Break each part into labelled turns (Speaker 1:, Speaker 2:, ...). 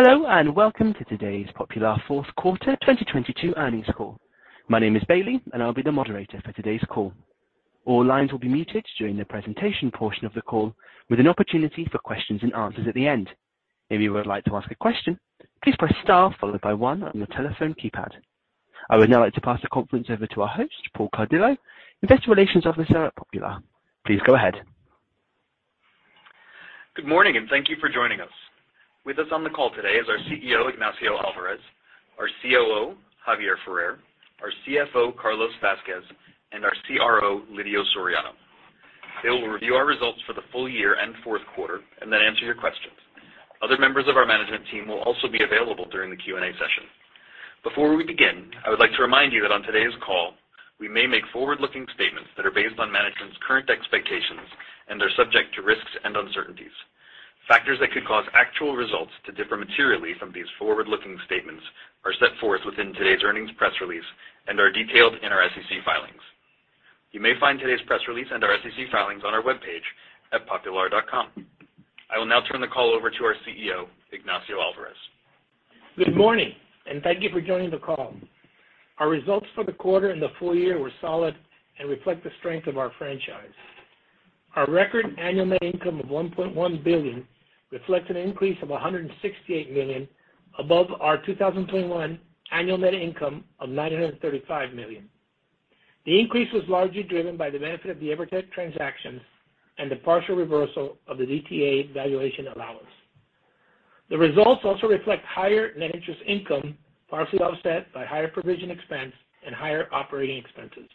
Speaker 1: Hello, welcome to today's Popular fourth quarter 2022 earnings call. My name is Bailey, and I'll be the moderator for today's call. All lines will be muted during the presentation portion of the call, with an opportunity for questions and answers at the end. If you would like to ask a question, please press star followed by one on your telephone keypad. I would now like to pass the conference over to our host, Paul Cardillo, Investor Relations Officer at Popular. Please go ahead.
Speaker 2: Good morning, and thank you for joining us. With us on the call today is our CEO, Ignacio Alvarez, our COO, Javier Ferrer, our CFO, Carlos Vazquez, and our CRO, Lidio Soriano. They will review our results for the full year and fourth quarter and then answer your questions. Other members of our management team will also be available during the Q&A session. Before we begin, I would like to remind you that on today's call, we may make forward-looking statements that are based on management's current expectations and are subject to risks and uncertainties. Factors that could cause actual results to differ materially from these forward-looking statements are set forth within today's earnings press release and are detailed in our SEC filings. You may find today's press release and our SEC filings on our webpage at popular.com. I will now turn the call over to our CEO, Ignacio Alvarez.
Speaker 3: Good morning. Thank you for joining the call. Our results for the quarter and the full year were solid and reflect the strength of our franchise. Our record annual net income of $1.1 billion reflects an increase of $168 million above our 2021 annual net income of $935 million. The increase was largely driven by the benefit of the Evertec transactions and the partial reversal of the DTA valuation allowance. The results also reflect higher net interest income, partially offset by higher provision expense and higher operating expenses.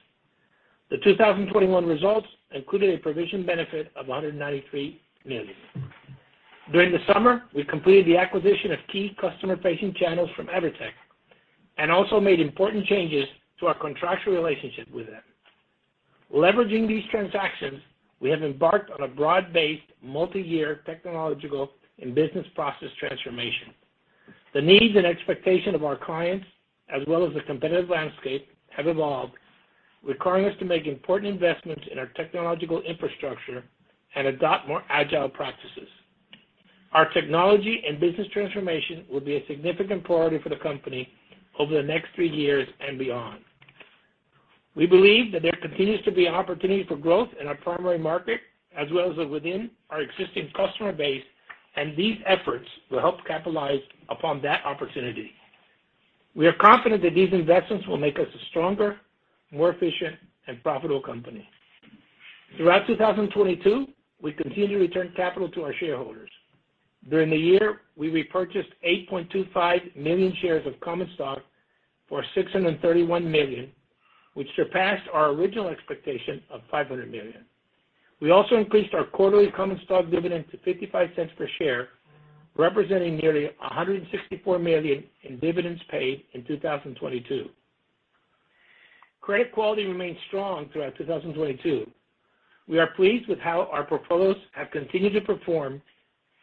Speaker 3: The 2021 results included a provision benefit of $193 million. During the summer, we completed the acquisition of key customer-facing channels from Evertec and also made important changes to our contractual relationship with them. Leveraging these transactions, we have embarked on a broad-based, multi-year technological and business process transformation. The needs and expectation of our clients, as well as the competitive landscape, have evolved, requiring us to make important investments in our technological infrastructure and adopt more agile practices. Our technology and business transformation will be a significant priority for the company over the next 3 years and beyond. We believe that there continues to be an opportunity for growth in our primary market as well as within our existing customer base. These efforts will help capitalize upon that opportunity. We are confident that these investments will make us a stronger, more efficient, and profitable company. Throughout 2022, we continued to return capital to our shareholders. During the year, we repurchased 8.25 million shares of common stock for $631 million, which surpassed our original expectation of $500 million. We also increased our quarterly common stock dividend to $0.55 per share, representing nearly $164 million in dividends paid in 2022. Credit quality remained strong throughout 2022. We are pleased with how our portfolios have continued to perform,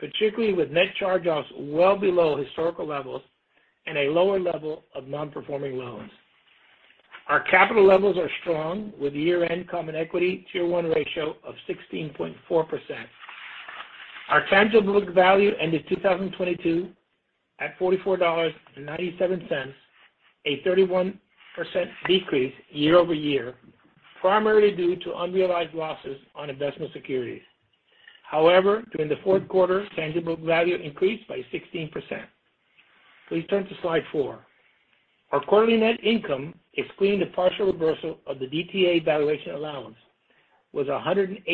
Speaker 3: particularly with net charge-offs well below historical levels and a lower level of non-performing loans. Our capital levels are strong with year-end Common Equity Tier 1 ratio of 16.4%. Our tangible book value ended 2022 at $44.97, a 31% decrease year-over-year, primarily due to unrealized losses on investment securities. However, during the fourth quarter, tangible value increased by 16%. Please turn to slide 4. Our quarterly net income, excluding the partial reversal of the DTA valuation allowance, was $189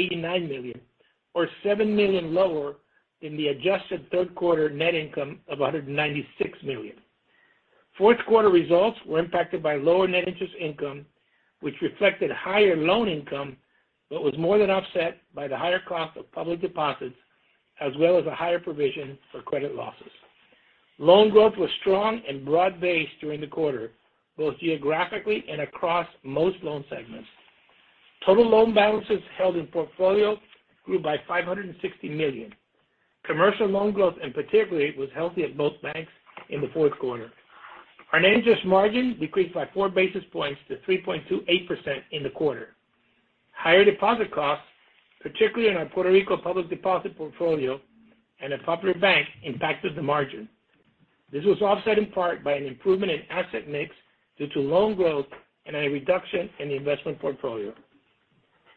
Speaker 3: million or $7 million lower than the adjusted third quarter net income of $196 million. Fourth quarter results were impacted by lower net interest income, which reflected higher loan income but was more than offset by the higher cost of public deposits as well as a higher provision for credit losses. Loan growth was strong and broad-based during the quarter, both geographically and across most loan segments. Total loan balances held in portfolio grew by $560 million. Commercial loan growth, in particular, was healthy at both banks in the fourth quarter. Our net interest margin decreased by 4 basis points to 3.28% in the quarter. Higher deposit costs, particularly in our Puerto Rico public deposit portfolio and at Popular Bank, impacted the margin. This was offset in part by an improvement in asset mix due to loan growth and a reduction in the investment portfolio.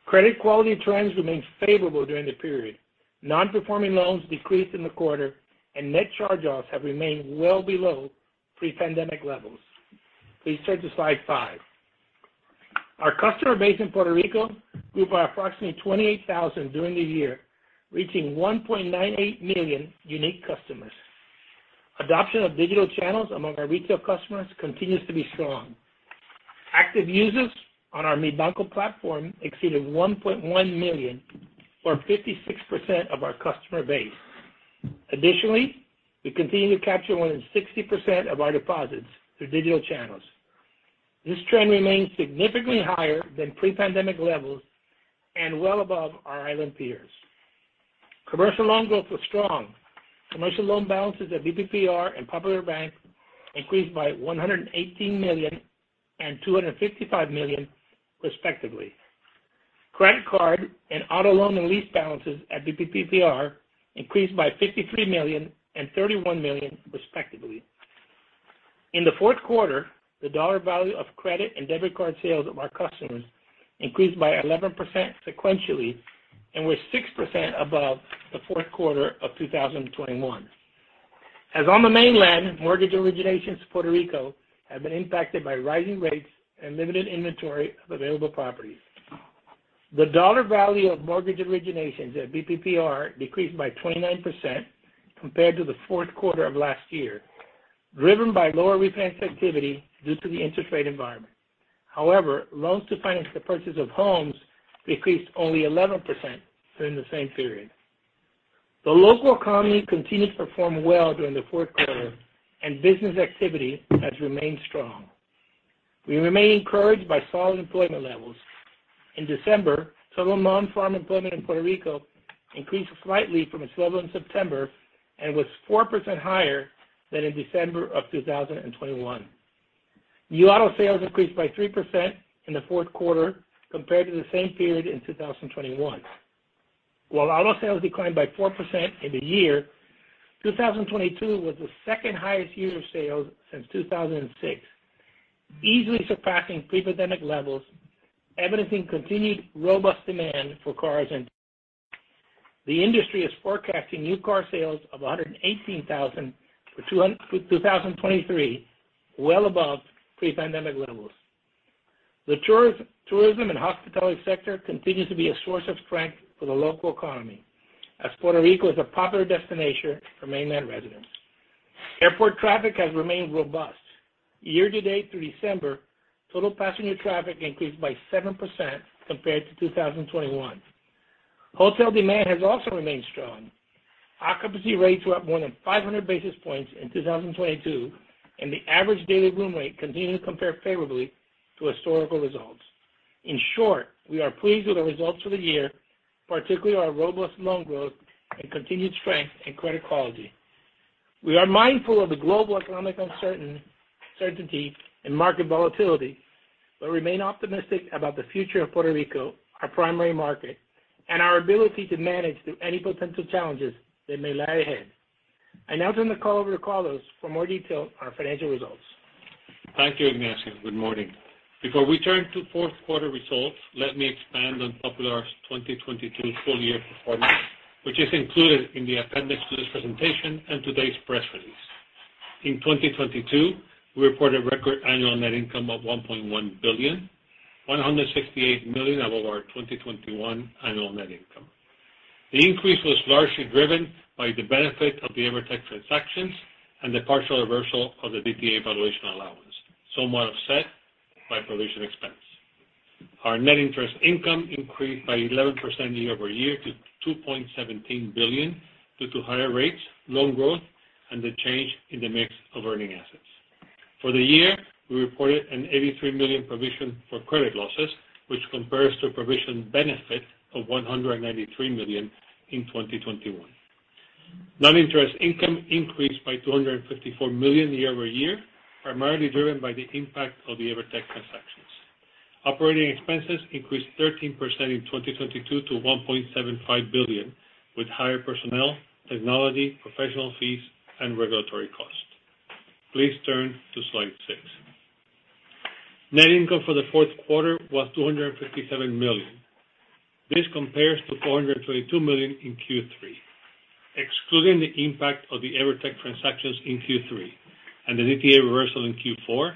Speaker 3: Credit quality trends remained favorable during the period. Non-performing loans decreased in the quarter, and net charge-offs have remained well below pre-pandemic levels. Please turn to slide five. Our customer base in Puerto Rico grew by approximately 28,000 during the year, reaching 1.98 million unique customers. Adoption of digital channels among our retail customers continues to be strong. Active users on our Mi Banco platform exceeded 1.1 million or 56% of our customer base. Additionally, we continue to capture more than 60% of our deposits through digital channels. This trend remains significantly higher than pre-pandemic levels and well above our island peers. Commercial loan growth was strong. Commercial loan balances at BPPR and Popular Bank increased by $118 million and $255 million, respectively. Credit card and auto loan and lease balances at BPPR increased by $53 million and $31 million, respectively. In the fourth quarter, the dollar value of credit and debit card sales of our customers increased by 11% sequentially, and was 6% above the fourth quarter of 2021. As on the mainland, mortgage originations Puerto Rico have been impacted by rising rates and limited inventory of available properties. The dollar value of mortgage originations at BPPR decreased by 29% compared to the fourth quarter of last year, driven by lower refinance activity due to the interest rate environment. However, loans to finance the purchase of homes decreased only 11% during the same period. The local economy continued to perform well during the fourth quarter, and business activity has remained strong. We remain encouraged by solid employment levels. In December, total non-farm employment in Puerto Rico increased slightly from its level in September and was 4% higher than in December of 2021. New auto sales increased by 3% in the fourth quarter compared to the same period in 2021. While auto sales declined by 4% in the year, 2022 was the second highest year of sales since 2006, easily surpassing pre-pandemic levels, evidencing continued robust demand for cars. The industry is forecasting new car sales of 118,000 for 2023, well above pre-pandemic levels. The tourism and hospitality sector continues to be a source of strength for the local economy, as Puerto Rico is a popular destination for mainland residents. Airport traffic has remained robust. Year to date through December, total passenger traffic increased by 7% compared to 2021. Hotel demand has also remained strong. Occupancy rates were up more than 500 basis points in 2022, and the average daily room rate continued to compare favorably to historical results. In short, we are pleased with the results for the year, particularly our robust loan growth and continued strength in credit quality. We are mindful of the global economic certainty and market volatility, but remain optimistic about the future of Puerto Rico, our primary market, and our ability to manage through any potential challenges that may lie ahead. I now turn the call over to Carlos for more detail on our financial results.
Speaker 4: Thank you, Ignacio. Good morning. Before we turn to fourth quarter results, let me expand on Popular's 2022 full year performance, which is included in the appendix to this presentation and today's press release. In 2022, we reported record annual net income of $1.1 billion, $168 million above our 2021 annual net income. The increase was largely driven by the benefit of the Evertec transactions and the partial reversal of the DTA valuation allowance, somewhat offset by provision expense. Our net interest income increased by 11% year-over-year to $2.17 billion due to higher rates, loan growth, and the change in the mix of earning assets. For the year, we reported an $83 million provision for credit losses, which compares to a provision benefit of $193 million in 2021. Non-interest income increased by $254 million year-over-year, primarily driven by the impact of the Evertec transactions. Operating expenses increased 13% in 2022 to $1.75 billion, with higher personnel, technology, professional fees, and regulatory costs. Please turn to slide six. Net income for the fourth quarter was $257 million. This compares to $422 million in Q3. Excluding the impact of the Evertec transactions in Q3 and the DTA reversal in Q4,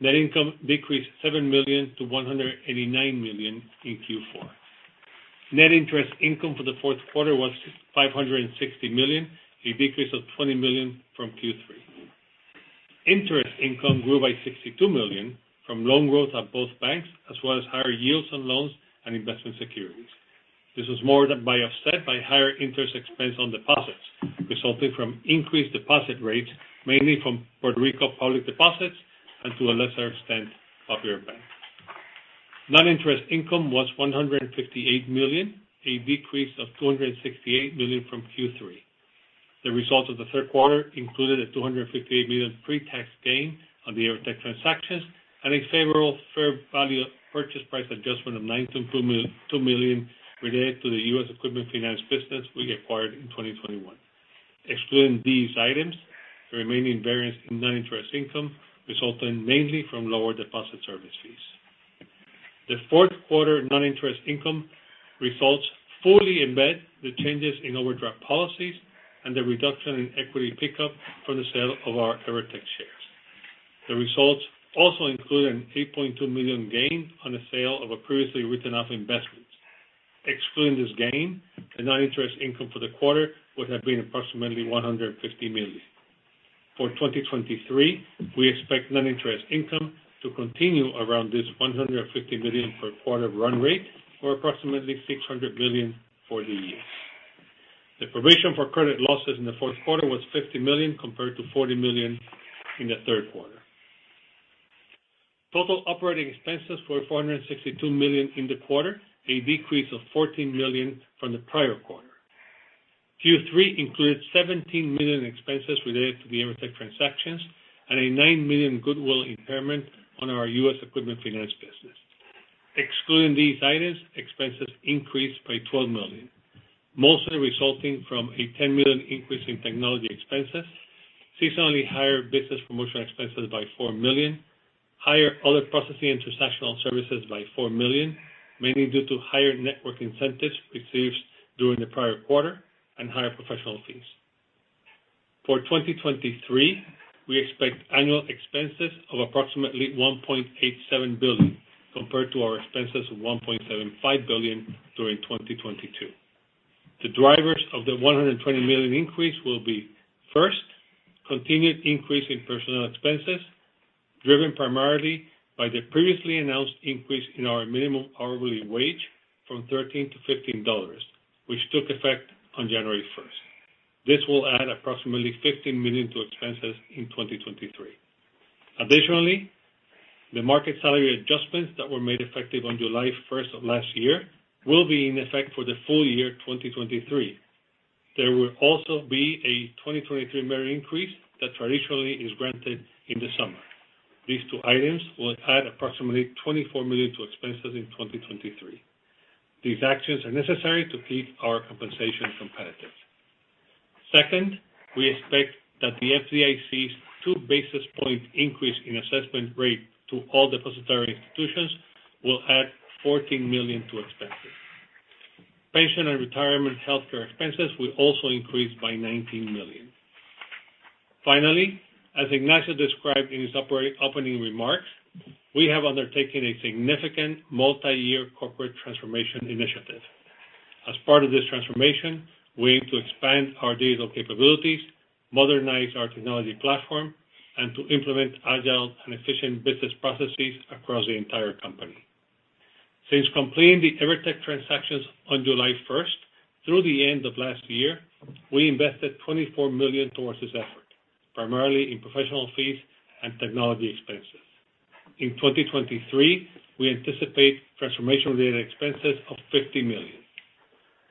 Speaker 4: net income decreased $7 million to $189 million in Q4. Net interest income for the fourth quarter was $560 million, a decrease of $20 million from Q3. Interest income grew by $62 million from loan growth at both banks, as well as higher yields on loans and investment securities. This was more than by offset by higher interest expense on deposits resulting from increased deposit rates, mainly from Puerto Rico public deposits and to a lesser extent, Popular Bank. Non-interest income was $158 million, a decrease of $268 million from Q3. The results of the third quarter included a $258 million pre-tax gain on the Evertec transactions and a favorable fair value purchase price adjustment of $9.2 million related to the U.S. equipment finance business we acquired in 2021. Excluding these items, the remaining variance in non-interest income resulting mainly from lower deposit service fees. The fourth quarter non-interest income results fully embed the changes in overdraft policies and the reduction in equity pickup from the sale of our Evertec shares. The results also include an $8.2 million gain on the sale of a previously written-off investment. Excluding this gain, the non-interest income for the quarter would have been approximately $150 million. For 2023, we expect non-interest income to continue around this $150 million per quarter run rate, or approximately $600 million for the year. The provision for credit losses in the fourth quarter was $50 million, compared to $40 million in the third quarter. Total operating expenses were $462 million in the quarter, a decrease of $14 million from the prior quarter. Q3 includes $17 million in expenses related to the Evertec transactions and a $9 million goodwill impairment on our U.S. equipment finance business. Excluding these items, expenses increased by $12 million, mostly resulting from a $10 million increase in technology expenses, seasonally higher business promotion expenses by $4 million, higher other processing and transactional services by $4 million, mainly due to higher network incentives received during the prior quarter and higher professional fees. For 2023, we expect annual expenses of approximately $1.87 billion, compared to our expenses of $1.75 billion during 2022. The drivers of the $120 million increase will be, first, continued increase in personnel expenses, driven primarily by the previously announced increase in our minimum hourly wage from $13 to $15, which took effect on January first. This will add approximately $15 million to expenses in 2023. Additionally, the market salary adjustments that were made effective on July first of last year will be in effect for the full year 2023. There will also be a 2023 merit increase that traditionally is granted in the summer. These two items will add approximately $24 million to expenses in 2023. These actions are necessary to keep our compensation competitive. Second, we expect that the FDIC's 2 basis point increase in assessment rate to all depository institutions will add $14 million to expenses. Pension and retirement health care expenses will also increase by $19 million. Finally, as Ignacio described in his opening remarks, we have undertaken a significant multi-year corporate transformation initiative. As part of this transformation, we aim to expand our digital capabilities, modernize our technology platform, and to implement agile and efficient business processes across the entire company. Since completing the Evertec transactions on July 1st, through the end of last year, we invested $24 million towards this effort, primarily in professional fees and technology expenses. In 2023, we anticipate transformation-related expenses of $50 million.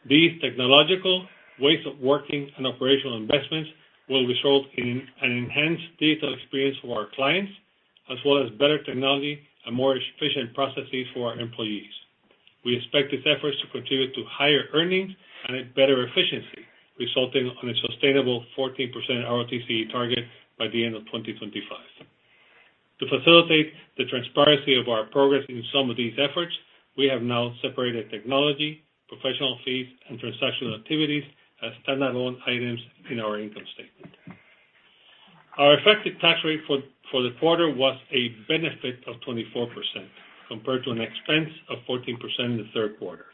Speaker 4: These technological ways of working and operational investments will result in an enhanced digital experience for our clients, as well as better technology and more efficient processes for our employees. We expect these efforts to contribute to higher earnings and a better efficiency, resulting on a sustainable 14% ROTCE target by the end of 2025. To facilitate the transparency of our progress in some of these efforts, we have now separated technology, professional fees, and transactional activities as standalone items in our income statement. Our effective tax rate for the quarter was a benefit of 24% compared to an expense of 14% in the third quarter.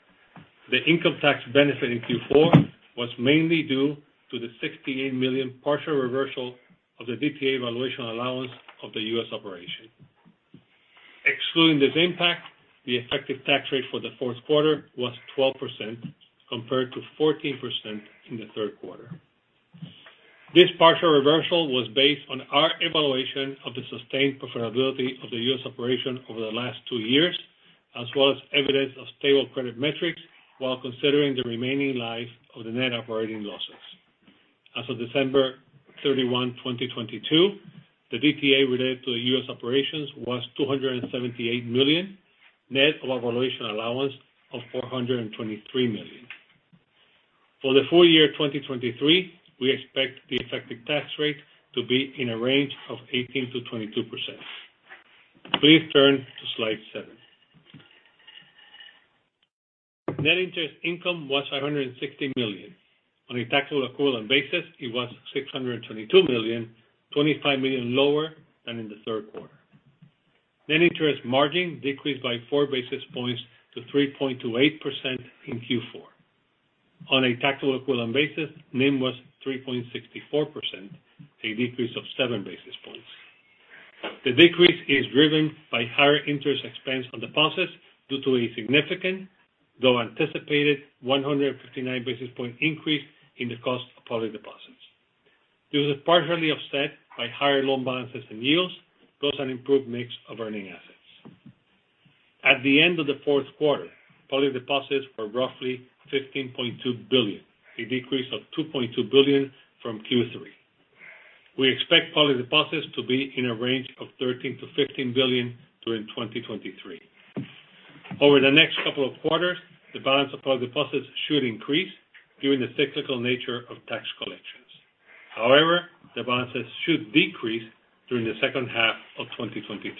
Speaker 4: The income tax benefit in Q4 was mainly due to the $68 million partial reversal of the DTA valuation allowance of the U.S. operation. Excluding this impact, the effective tax rate for the fourth quarter was 12% compared to 14% in the third quarter. This partial reversal was based on our evaluation of the sustained profitability of the U.S. operation over the last two years, as well as evidence of stable credit metrics while considering the remaining life of the net operating losses. As of December 31, 2022, the DTA related to U.S. operations was $278 million, net of a valuation allowance of $423 million. For the full year 2023, we expect the effective tax rate to be in a range of 18%-22%. Please turn to slide 7. Net interest income was $560 million. On a taxable equivalent basis, it was $622 million, $25 million lower than in the third quarter. Net interest margin decreased by four basis points to 3.28% in Q4. On a taxable equivalent basis, NIM was 3.64%, a decrease of seven basis points. The decrease is driven by higher interest expense on deposits due to a significant, though anticipated, 159 basis point increase in the cost of public deposits. This is partially offset by higher loan balances and yields, plus an improved mix of earning assets. At the end of the fourth quarter, public deposits were roughly $15.2 billion, a decrease of $2.2 billion from Q3. We expect public deposits to be in a range of $13 billion-$15 billion during 2023. Over the next couple of quarters, the balance of public deposits should increase during the cyclical nature of tax collections. However, the balances should decrease during the second half of 2023.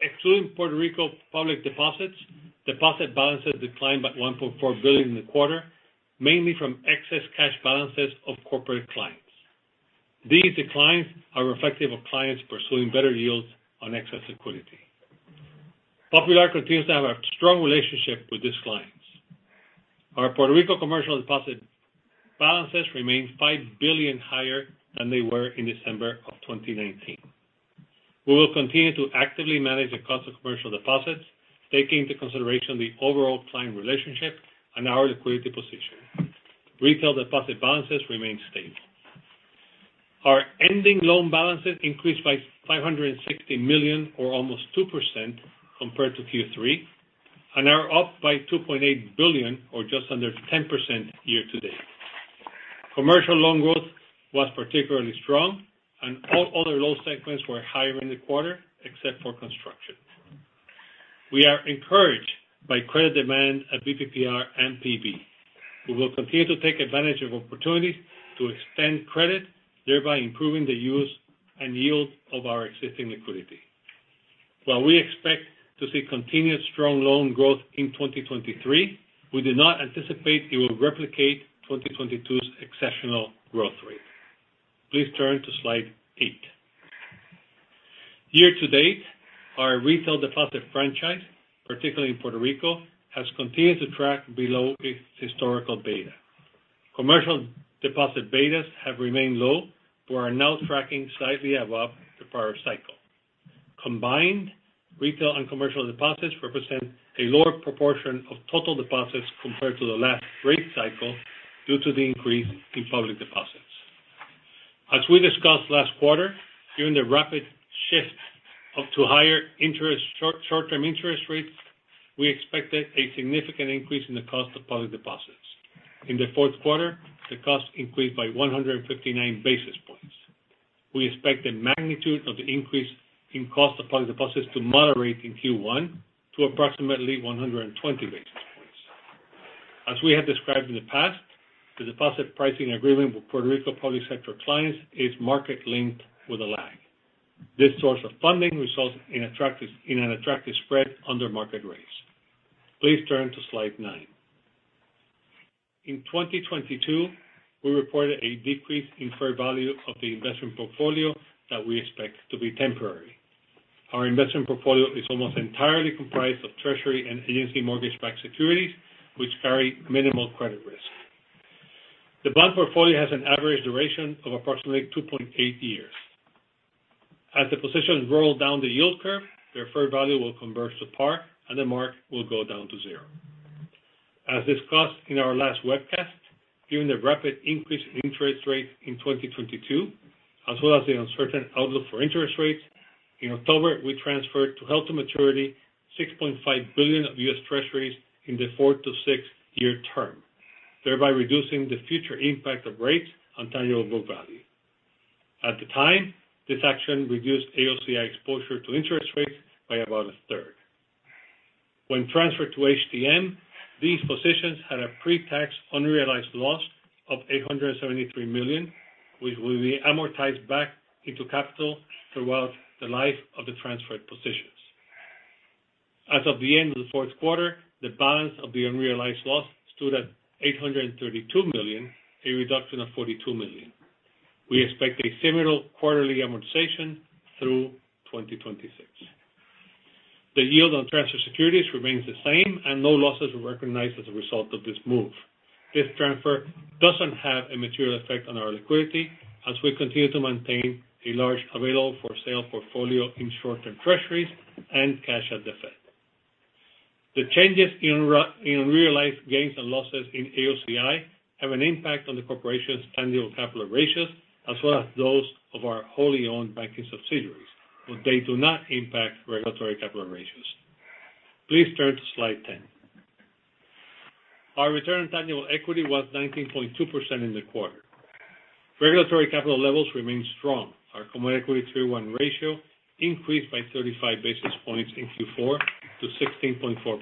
Speaker 4: Excluding Puerto Rico public deposits, deposit balances declined by $1.4 billion in the quarter, mainly from excess cash balances of corporate clients. These declines are reflective of clients pursuing better yields on excess liquidity. Popular continues to have a strong relationship with these clients. Our Puerto Rico commercial deposit balances remain $5 billion higher than they were in December 2019. We will continue to actively manage the cost of commercial deposits, taking into consideration the overall client relationship and our liquidity position. Retail deposit balances remain stable. Our ending loan balances increased by $560 million or almost 2% compared to Q3, and are up by $2.8 billion or just under 10% year-to-date. Commercial loan growth was particularly strong. All other loan segments were higher in the quarter except for construction. We are encouraged by credit demand at BPPR and Popular Bank. We will continue to take advantage of opportunities to extend credit, thereby improving the use and yield of our existing liquidity. While we expect to see continued strong loan growth in 2023, we do not anticipate it will replicate 2022's exceptional growth rate. Please turn to slide 8. Year-to-date, our retail deposit franchise, particularly in Puerto Rico, has continued to track below its historical beta. Commercial deposit betas have remained low but are now tracking slightly above the prior cycle. Combined, retail and commercial deposits represent a lower proportion of total deposits compared to the last rate cycle due to the increase in public deposits. As we discussed last quarter, during the rapid shift up to higher interest, short-term interest rates, we expected a significant increase in the cost of public deposits. In the fourth quarter, the cost increased by 159 basis points. We expect the magnitude of the increase in cost of public deposits to moderate in Q1 to approximately 120 basis points. As we have described in the past, the deposit pricing agreement with Puerto Rico public sector clients is market-linked with a lag. This source of funding results in an attractive spread under market rates. Please turn to slide 9. In 2022, we reported a decrease in fair value of the investment portfolio that we expect to be temporary. Our investment portfolio is almost entirely comprised of treasury and agency mortgage-backed securities, which carry minimal credit risk. The bond portfolio has an average duration of approximately 2.8 years. As the positions roll down the yield curve, their fair value will convert to par, and the mark will go down to zero. As discussed in our last webcast, given the rapid increase in interest rates in 2022, as well as the uncertain outlook for interest rates, in October, we transferred to held-to-maturity $6.5 billion of U.S. Treasuries in the 4-6 year term, thereby reducing the future impact of rates on tangible book value. At the time, this action reduced AOCI exposure to interest rates by about a third. When transferred to HTM, these positions had a pre-tax unrealized loss of $873 million, which will be amortized back into capital throughout the life of the transferred positions. As of the end of the fourth quarter, the balance of the unrealized loss stood at $832 million, a reduction of $42 million. We expect a similar quarterly amortization through 2026. The yield on transfer securities remains the same and no losses were recognized as a result of this move. This transfer doesn't have a material effect on our liquidity, as we continue to maintain a large available-for-sale portfolio in short-term treasuries and cash at the Fed. The changes in realized gains and losses in AOCI have an impact on the corporation's tangible capital ratios as well as those of our wholly owned banking subsidiaries, but they do not impact regulatory capital ratios. Please turn to slide 10. Our return on tangible equity was 19.2% in the quarter. Regulatory capital levels remain strong. Our Common Equity Tier 1 ratio increased by 35 basis points in Q4 to 16.4%.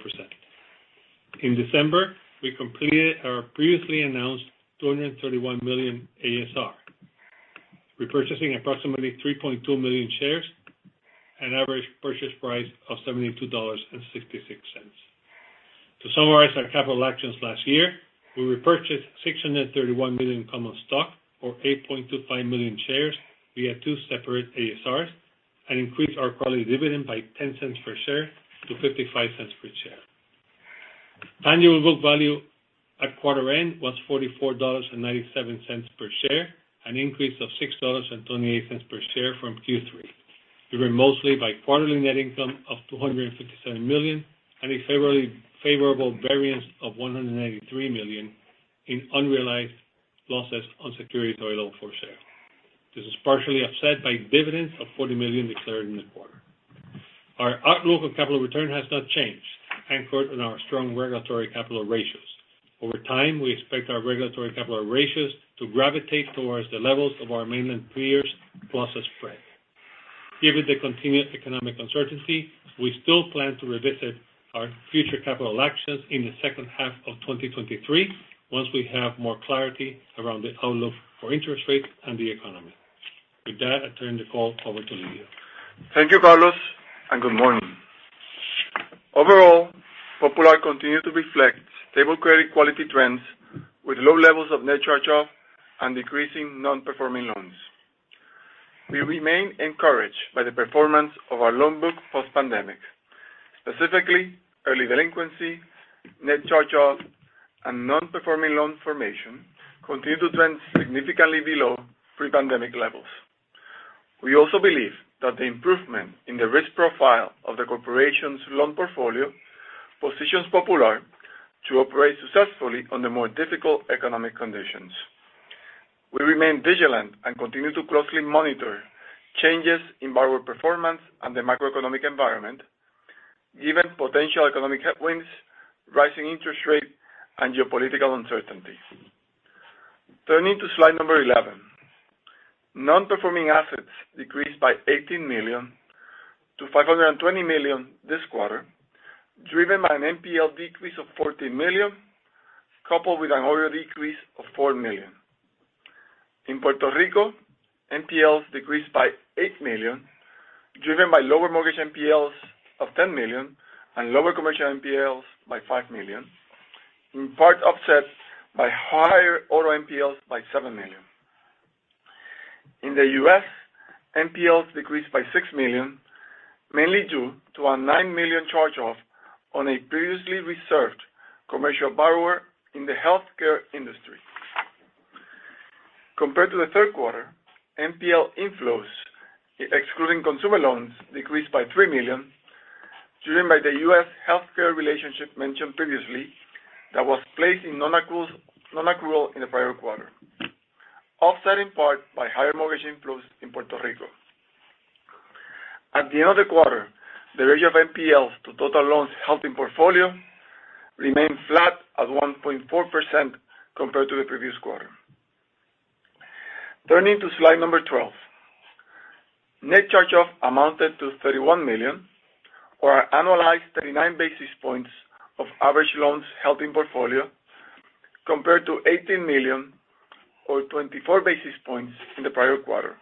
Speaker 4: In December, we completed our previously announced $231 million ASR, repurchasing approximately 3.2 million shares at an average purchase price of $72.66. To summarize our capital actions last year, we repurchased $631 million common stock or 8.25 million shares via two separate ASRs and increased our quarterly dividend by $0.10 per share to $0.55 per share. Annual book value at quarter end was $44.97 per share, an increase of $6.28 per share from Q3. Driven mostly by quarterly net income of $257 million and a favorable variance of $183 million in unrealized losses on securities available-for-sale. This is partially offset by dividends of $40 million declared in the quarter. Our outlook on capital return has not changed, anchored on our strong regulatory capital ratios. Over time, we expect our regulatory capital ratios to gravitate towards the levels of our mainland peers plus a spread. Given the continued economic uncertainty, we still plan to revisit our future capital actions in the second half of 2023 once we have more clarity around the outlook for interest rates and the economy. With that, I turn the call over to Lidio.
Speaker 5: Thank you, Carlos, and good morning. Overall, Popular continued to reflect stable credit quality trends with low levels of net charge-off and decreasing non-performing loans. We remain encouraged by the performance of our loan book post-pandemic. Specifically, early delinquency, net charge-off, and non-performing loan formation continue to trend significantly below pre-pandemic levels. We also believe that the improvement in the risk profile of the corporation's loan portfolio positions Popular to operate successfully under more difficult economic conditions. We remain vigilant and continue to closely monitor changes in borrower performance and the macroeconomic environment, given potential economic headwinds, rising interest rate, and geopolitical uncertainties. Turning to slide number 11. Non-performing assets decreased by $18 million to $520 million this quarter, driven by an NPL decrease of $14 million, coupled with an order decrease of $4 million. In Puerto Rico, NPLs decreased by $8 million, driven by lower mortgage NPLs of $10 million and lower commercial NPLs by $5 million, in part offset by higher auto NPLs by $7 million. In the U.S., NPLs decreased by $6 million, mainly due to a $9 million charge-off on a previously reserved commercial borrower in the healthcare industry. Compared to the third quarter, NPL inflows, excluding consumer loans, decreased by $3 million, driven by the U.S. healthcare relationship mentioned previously that was placed in non-accrual in the prior quarter, offset in part by higher mortgage inflows in Puerto Rico. At the end of the quarter, the ratio of NPLs to total loans held in portfolio remained flat at 1.4% compared to the previous quarter. Turning to slide number 12. Net charge-off amounted to $31 million, or annualized 39 basis points of average loans held in portfolio, compared to $18 million or 24 basis points in the prior quarter.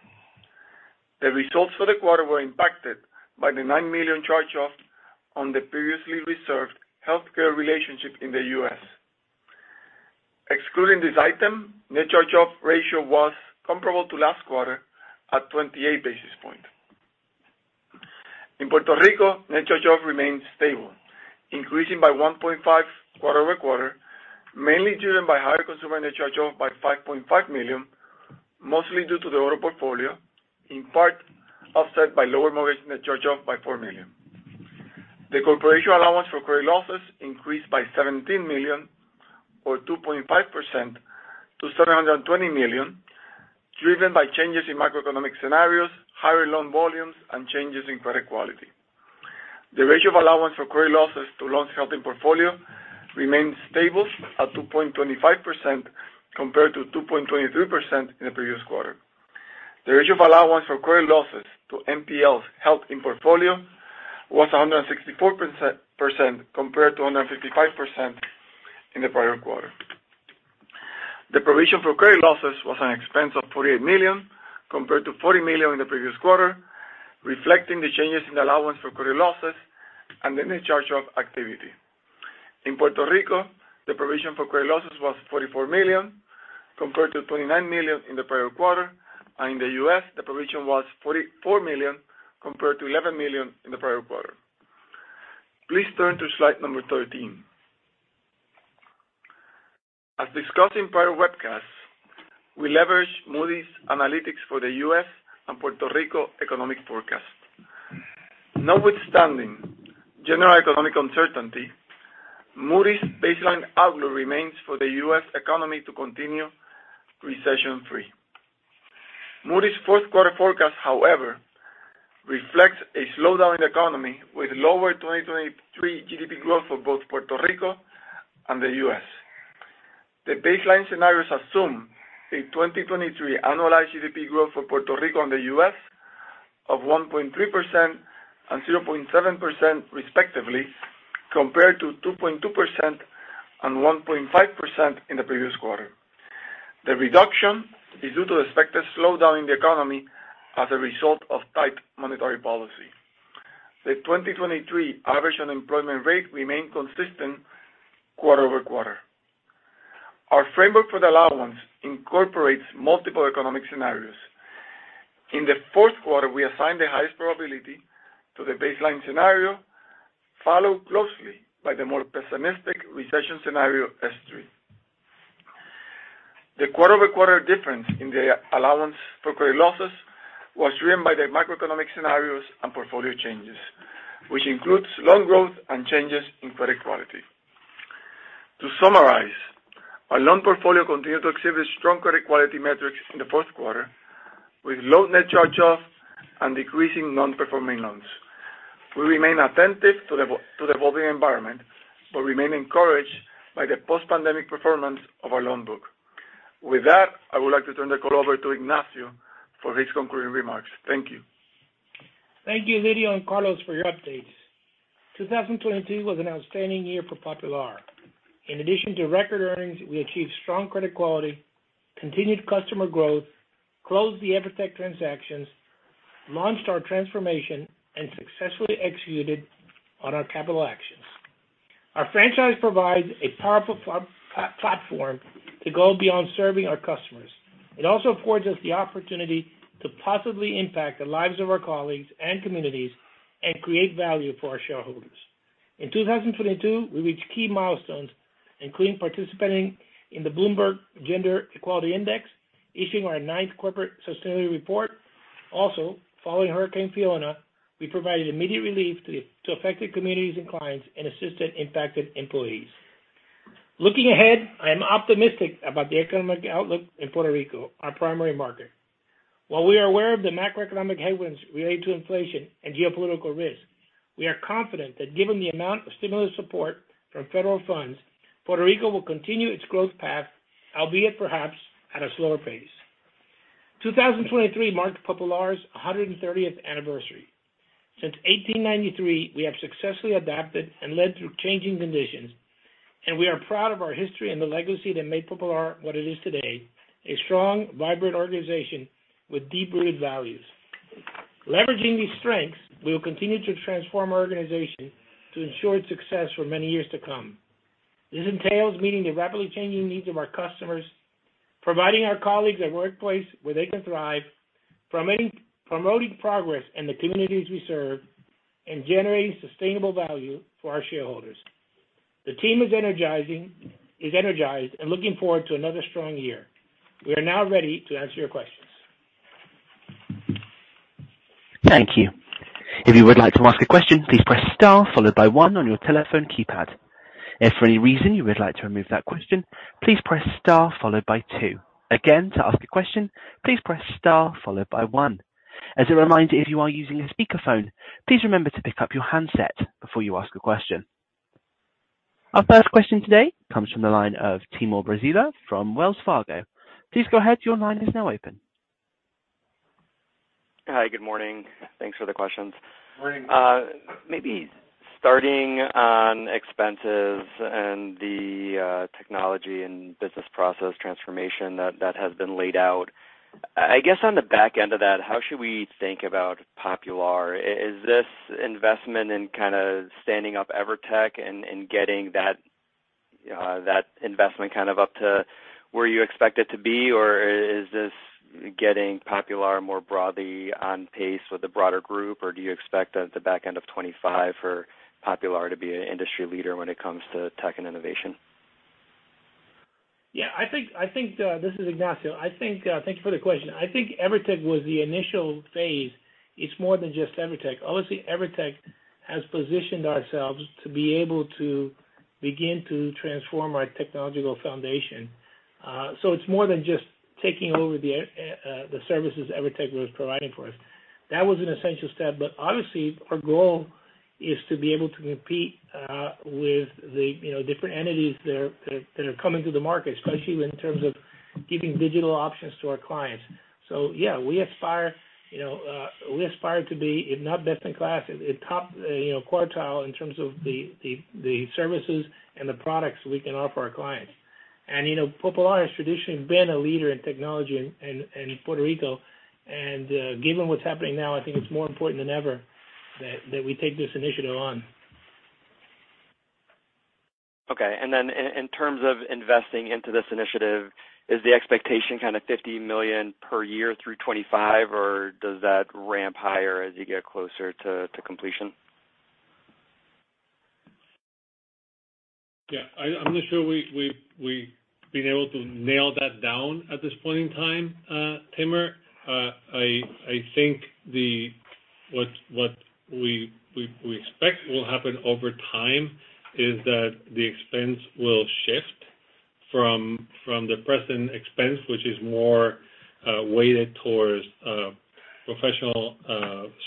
Speaker 5: The results for the quarter were impacted by the $9 million charge-off on the previously reserved healthcare relationship in the U.S. Excluding this item, net charge-off ratio was comparable to last quarter at 28 basis points. In Puerto Rico, net charge-off remained stable, increasing by 1.5 quarter-over-quarter, mainly driven by higher consumer net charge-off by $5.5 million, mostly due to the auto portfolio, in part offset by lower mortgage net charge-off by $4 million. The corporation allowance for credit losses increased by $17 million or 2.5% to $720 million, driven by changes in macroeconomic scenarios, higher loan volumes, and changes in credit quality. The ratio of allowance for credit losses to loans held in portfolio remained stable at 2.25% compared to 2.23% in the previous quarter. The ratio of allowance for credit losses to NPLs held in portfolio was 164% compared to 155% in the prior quarter. The provision for credit losses was an expense of $48 million compared to $40 million in the previous quarter, reflecting the changes in the allowance for credit losses and the net charge-off activity. In Puerto Rico, the provision for credit losses was $44 million compared to $29 million in the prior quarter. In the U.S., the provision was $44 million compared to $11 million in the prior quarter. Please turn to slide number 13. As discussed in prior webcasts, we leverage Moody's Analytics for the U.S. and Puerto Rico economic forecast. Notwithstanding general economic uncertainty, Moody's baseline outlook remains for the U.S. economy to continue recession-free. Moody's fourth quarter forecast, however, reflects a slowdown in the economy with lower 2023 GDP growth for both Puerto Rico and the U.S. The baseline scenarios assume a 2023 annualized GDP growth for Puerto Rico and the U.S. of 1.3% and 0.7% respectively, compared to 2.2% and 1.5% in the previous quarter. The reduction is due to expected slowdown in the economy as a result of tight monetary policy. The 2023 average unemployment rate remained consistent quarter-over-quarter. Our framework for the allowance incorporates multiple economic scenarios. In the fourth quarter, we assigned the highest probability to the baseline scenario, followed closely by the more pessimistic recession scenario, S3. The quarter-over-quarter difference in the allowance for credit losses was driven by the macroeconomic scenarios and portfolio changes, which includes loan growth and changes in credit quality. To summarize, our loan portfolio continued to exhibit strong credit quality metrics in the fourth quarter with low net charge-off and decreasing non-performing loans. We remain attentive to the evolving environment, remain encouraged by the post-pandemic performance of our loan book. With that, I would like to turn the call over to Ignacio for his concluding remarks. Thank you.
Speaker 3: Thank you, Lidio and Carlos, for your updates. 2020 was an outstanding year for Popular. In addition to record earnings, we achieved strong credit quality, continued customer growth, closed the Evertec transactions, launched our transformation, and successfully executed on our capital actions. Our franchise provides a powerful platform to go beyond serving our customers. It also affords us the opportunity to positively impact the lives of our colleagues and communities and create value for our shareholders. In 2022, we reached key milestones including participating in the Bloomberg Gender-Equality Index, issuing our 9th corporate sustainability report. Also, following Hurricane Fiona, we provided immediate relief to affected communities and clients and assisted impacted employees. Looking ahead, I am optimistic about the economic outlook in Puerto Rico, our primary market. While we are aware of the macroeconomic headwinds related to inflation and geopolitical risk, we are confident that given the amount of stimulus support from federal funds, Puerto Rico will continue its growth path, albeit perhaps at a slower pace. 2023 marked Popular's 130th anniversary. Since 1893, we have successfully adapted and led through changing conditions, we are proud of our history and the legacy that made Popular what it is today, a strong, vibrant organization with deep-rooted values. Leveraging these strengths, we will continue to transform our organization to ensure its success for many years to come. This entails meeting the rapidly changing needs of our customers, providing our colleagues a workplace where they can thrive, promoting progress in the communities we serve, and generating sustainable value for our shareholders. The team is energized and looking forward to another strong year. We are now ready to answer your questions.
Speaker 1: Thank you. If you would like to ask a question, please press star followed by one on your telephone keypad. If for any reason you would like to remove that question, please press star followed by two. Again, to ask a question, please press star followed by one. As a reminder, if you are using a speakerphone, please remember to pick up your handset before you ask a question. Our first question today comes from the line of Timur Braziler from Wells Fargo. Please go ahead. Your line is now open.
Speaker 6: Hi. Good morning. Thanks for the questions.
Speaker 3: Morning.
Speaker 6: Maybe starting on expenses and the technology and business process transformation that has been laid out, I guess on the back end of that, how should we think about Popular? Is this investment in kind of standing up Evertec and getting that investment kind of up to where you expect it to be? Or is this getting Popular more broadly on pace with the broader group? Or do you expect at the back end of 25 for Popular to be an industry leader when it comes to tech and innovation?
Speaker 3: I think, this is Ignacio. I think, thank you for the question. I think Evertec was the initial phase. It's more than just Evertec. Obviously, Evertec has positioned ourselves to be able to begin to transform our technological foundation. It's more than just taking over the services Evertec was providing for us. That was an essential step, but obviously, our goal is to be able to compete with the, you know, different entities that are coming to the market, especially in terms of giving digital options to our clients. We aspire, you know, we aspire to be, if not best in class, a top, you know, quartile in terms of the services and the products we can offer our clients. You know, Popular has traditionally been a leader in technology in Puerto Rico. Given what's happening now, I think it's more important than ever that we take this initiative on.
Speaker 6: Okay. In terms of investing into this initiative, is the expectation kind of $50 million per year through 2025? Does that ramp higher as you get closer to completion?
Speaker 4: I'm not sure we've been able to nail that down at this point in time, Timur. I think what we expect will happen over time is that the expense will shift from the present expense, which is more weighted towards professional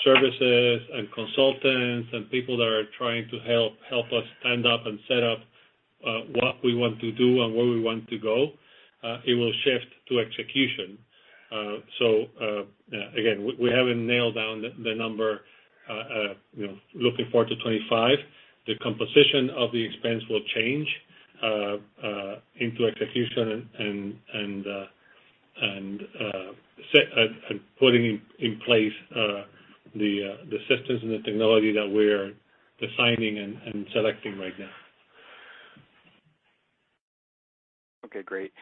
Speaker 4: services and consultants and people that are trying to help us stand up and set up what we want to do and where we want to go. It will shift to execution. So again, we haven't nailed down the number. You know, looking forward to 25, the composition of the expense will change into execution and putting in place the systems and the technology that we're designing and selecting right now.
Speaker 6: Okay, great.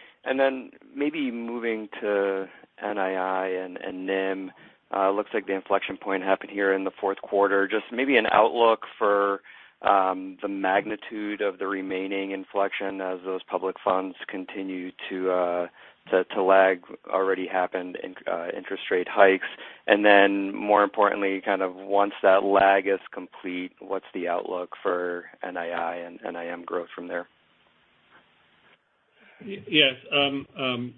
Speaker 6: Maybe moving to NII and NIM. It looks like the inflection point happened here in the fourth quarter. Just maybe an outlook for the magnitude of the remaining inflection as those public funds continue to lag already happened in interest rate hikes. More importantly, kind of once that lag is complete, what's the outlook for NII and NIM growth from there?
Speaker 4: Yes. I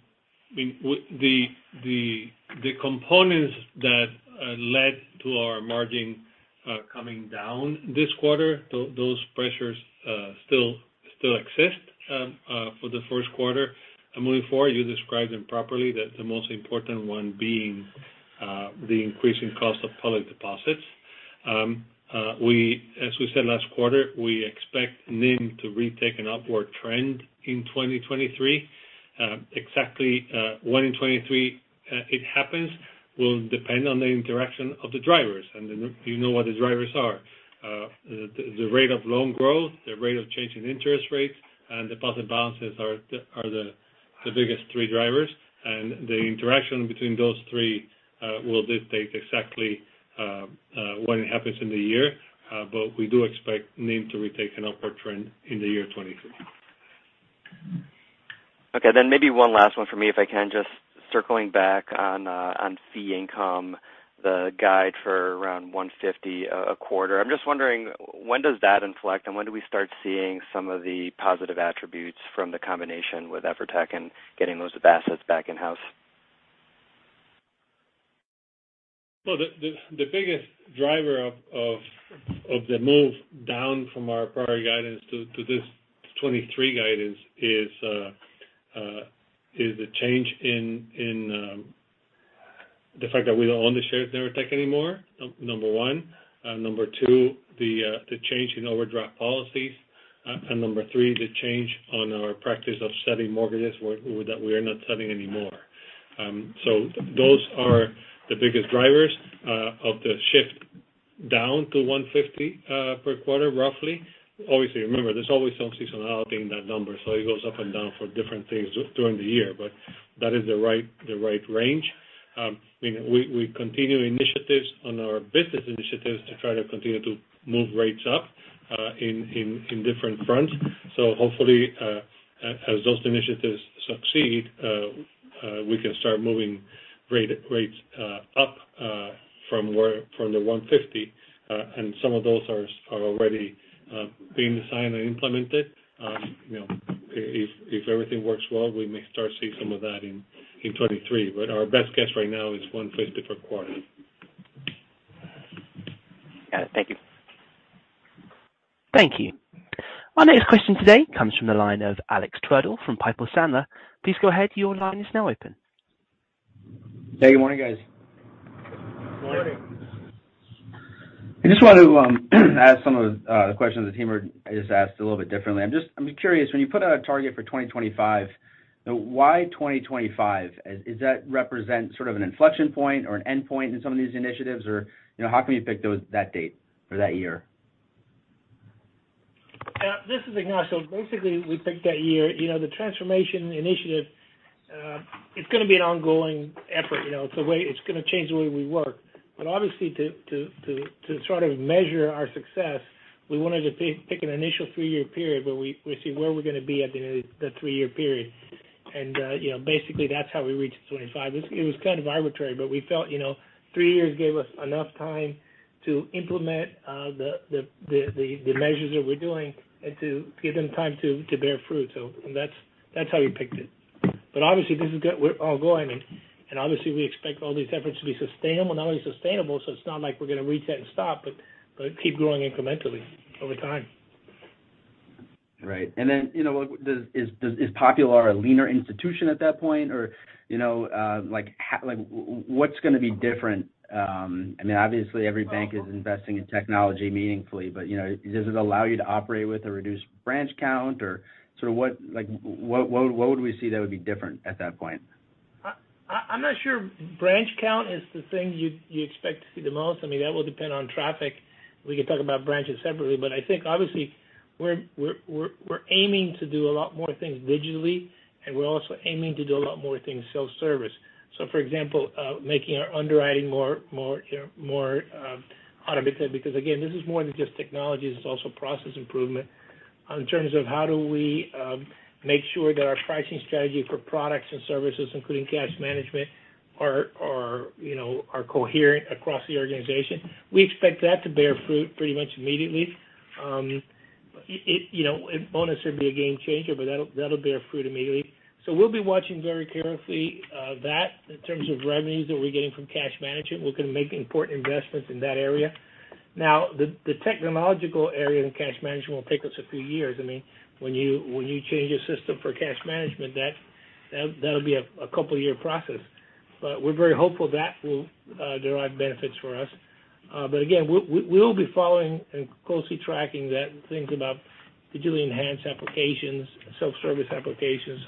Speaker 4: mean, the components that led to our margin coming down this quarter, those pressures still exist for the first quarter and moving forward. You described them properly, the most important one being the increasing cost of public deposits. As we said last quarter, we expect NIM to retake an upward trend in 2023. Exactly when in 23 it happens will depend on the interaction of the drivers. You know what the drivers are. The rate of loan growth, the rate of change in interest rates, and deposit balances are the biggest three drivers and the interaction between those three, will dictate exactly, when it happens in the year. We do expect NIM to retake an upward trend in the year 2023.
Speaker 6: Okay. Maybe one last one for me, if I can. Just circling back on fee income, the guide for around $150 a quarter. I'm just wondering when does that inflect, and when do we start seeing some of the positive attributes from the combination with Evertec and getting those assets back in-house?
Speaker 4: The biggest driver of the move down from our prior guidance to this 2023 guidance is the change in the fact that we don't own the shares of Evertec anymore, number one. Number two, the change in overdraft policies. Number three, the change on our practice of selling mortgages that we are not selling anymore. Those are the biggest drivers of the shift down to $150 per quarter, roughly. Obviously, remember, there's always some seasonality in that number, so it goes up and down for different things during the year. That is the right range. We continue initiatives on our business initiatives to try to continue to move rates up in different fronts. Hopefully, as those initiatives succeed, we can start moving rates up from the 150, and some of those are already being designed and implemented. You know, if everything works well, we may start to see some of that in 2023. Our best guess right now is 150 per quarter.
Speaker 6: Got it. Thank you.
Speaker 1: Thank you. Our next question today comes from the line of Alex Twerdahl from Piper Sandler. Please go ahead. Your line is now open.
Speaker 7: Hey, good morning, guys.
Speaker 4: Morning.
Speaker 7: I just wanted to ask some of the questions the team had just asked a little bit differently. I'm curious, when you put out a target for 2025, why 2025? Does that represent sort of an inflection point or an endpoint in some of these initiatives? You know, how come you picked that date for that year?
Speaker 3: This is Ignacio. Basically, we picked that year. You know, the transformation initiative, it's gonna be an ongoing effort. You know, it's a way it's gonna change the way we work. Obviously to sort of measure our success, we wanted to pick an initial three-year period where we see where we're gonna be at the end of the three-year period. You know, basically that's how we reached 25. It was kind of arbitrary, but we felt, you know, three years gave us enough time to implement the measures that we're doing and to give them time to bear fruit. That's how we picked it. Obviously this is we're ongoing. Obviously we expect all these efforts to be sustainable. Not only sustainable, so it's not like we're going to reach that and stop, but keep growing incrementally over time.
Speaker 7: Right. Then, you know, is Popular a leaner institution at that point? You know, like, what's gonna be different? I mean, obviously every bank is investing in technology meaningfully, but, you know, does it allow you to operate with a reduced branch count or sort of what would we see that would be different at that point?
Speaker 3: I'm not sure branch count is the thing you expect to see the most. I mean, that will depend on traffic. We could talk about branches separately. I think obviously we're aiming to do a lot more things digitally, and we're also aiming to do a lot more things self-service. For example, making our underwriting more, you know, more automated because again, this is more than just technology, this is also process improvement in terms of how do we make sure that our pricing strategy for products and services, including cash management, are, you know, coherent across the organization. We expect that to bear fruit pretty much immediately. It, you know, it won't necessarily be a game changer, but that'll bear fruit immediately. We'll be watching very carefully that in terms of revenues that we're getting from cash management. We're going to make important investments in that area. The technological area in cash management will take us a few years. I mean, when you change your system for cash management, that'll be a couple year process. We're very hopeful that will derive benefits for us. Again, we will be following and closely tracking that and things about digitally enhanced applications, self-service applications.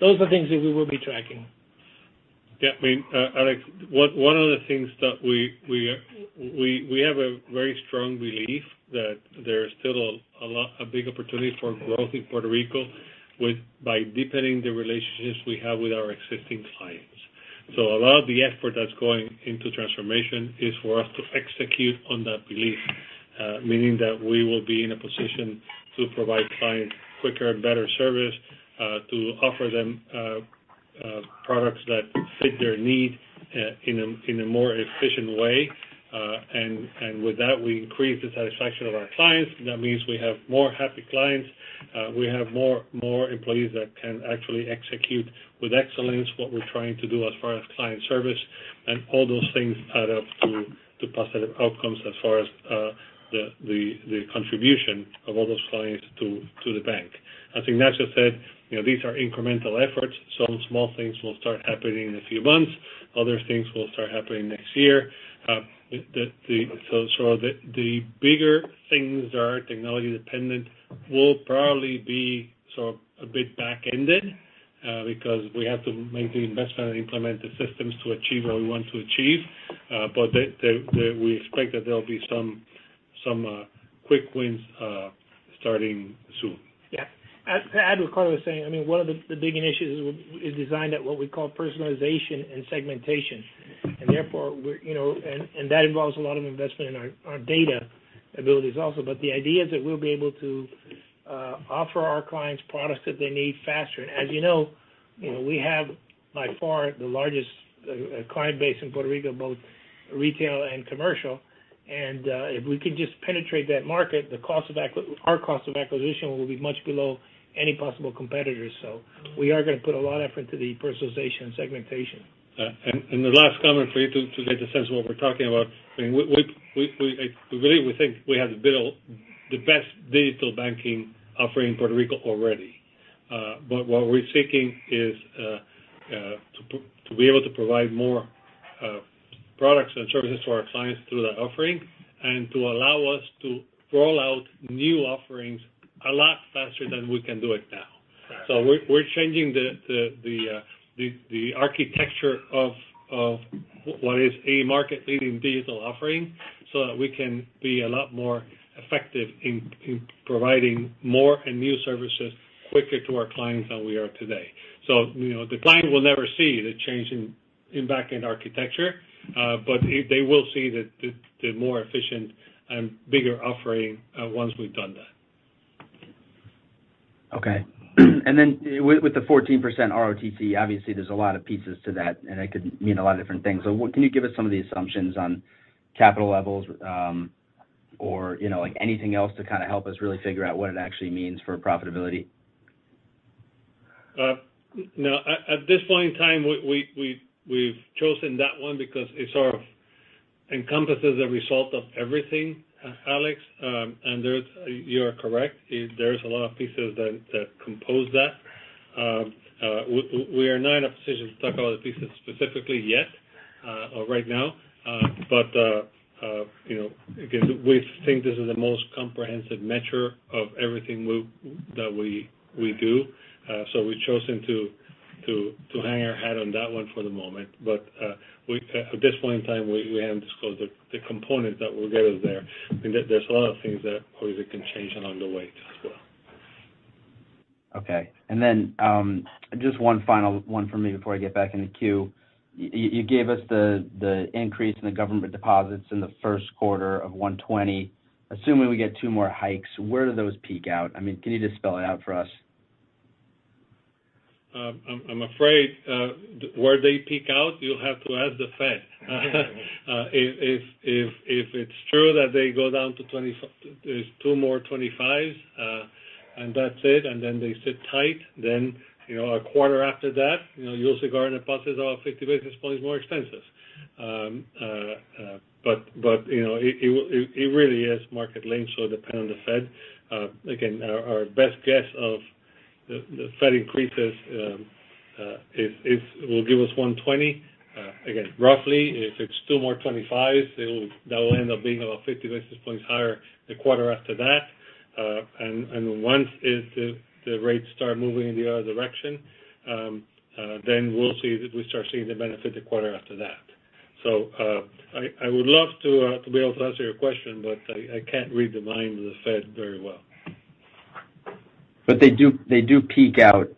Speaker 3: Those are things that we will be tracking.
Speaker 4: Yeah. I mean, Alex, one of the things that we have a very strong belief that there's still a big opportunity for growth in Puerto Rico by deepening the relationships we have with our existing clients. A lot of the effort that's going into transformation is for us to execute on that belief, meaning that we will be in a position to provide clients quicker and better service, to offer them products that fit their need in a more efficient way. And with that, we increase the satisfaction of our clients. That means we have more happy clients. We have more employees that can actually execute with excellence what we're trying to do as far as client service. All those things add up to positive outcomes as far as the contribution of all those clients to the bank. As Ignacio said, you know, these are incremental efforts. Some small things will start happening in a few months. Other things will start happening next year. The bigger things are technology dependent will probably be sort of a bit back-ended because we have to make the investment and implement the systems to achieve what we want to achieve. We expect that there'll be some quick wins starting soon.
Speaker 3: Yeah. add to what Carlos is saying, I mean, one of the big initiatives is designed at what we call personalization and segmentation. Therefore we're, you know, and that involves a lot of investment in our data abilities also. The idea is that we'll be able to offer our clients products that they need faster. As you know, we have by far the largest client base in Puerto Rico, both retail and commercial. If we could just penetrate that market, the cost of our cost of acquisition will be much below any possible competitors. We are gonna put a lot of effort to the personalization and segmentation.
Speaker 4: Yeah. The last comment for you to get a sense of what we're talking about, I mean, we believe we think we have built the best digital banking offering in Puerto Rico already. What we're seeking is to be able to provide more products and services to our clients through that offering and to allow us to roll out new offerings a lot faster than we can do it now.
Speaker 7: Right.
Speaker 4: We're changing the architecture of what is a market-leading digital offering so that we can be a lot more effective in providing more and new services quicker to our clients than we are today. You know, the client will never see the change in backend architecture, but they will see the more efficient and bigger offering once we've done that.
Speaker 7: Okay. With the 14% ROTCE, obviously there's a lot of pieces to that, and that could mean a lot of different things. What can you give us some of the assumptions on capital levels, or, you know, like anything else to kind of help us really figure out what it actually means for profitability?
Speaker 4: No. At this point in time, we've chosen that one because it sort of encompasses a result of everything, Alex. You are correct. There's a lot of pieces that compose that. We are not in a position to talk about the pieces specifically yet or right now. You know, again, we think this is the most comprehensive measure of everything we do. We've chosen to hang our hat on that one for the moment. At this point in time, we haven't disclosed the components that will go there. There's a lot of things that obviously can change along the way as well.
Speaker 7: Okay. Just one final one for me before I get back in the queue. You gave us the increase in the government deposits in the first quarter of $120. Assuming we get two more hikes, where do those peak out? I mean, can you just spell it out for us?
Speaker 4: I'm afraid where they peak out, you'll have to ask the Fed. If it's true that they go down to there's 2 more 25s, and that's it, and then they sit tight, you know, a quarter after that, you know, you'll see garden deposits are 50 basis points more expensive. You know, it really is market linked, so it'll depend on the Fed. Again, our best guess of the Fed increases will give us 120. Again, roughly, if it's 2 more 25s, that will end up being about 50 basis points higher the quarter after that. Once, if the rates start moving in the other direction, then we start seeing the benefit the quarter after that. I would love to be able to answer your question, but I can't read the mind of the Fed very well.
Speaker 7: They do peak out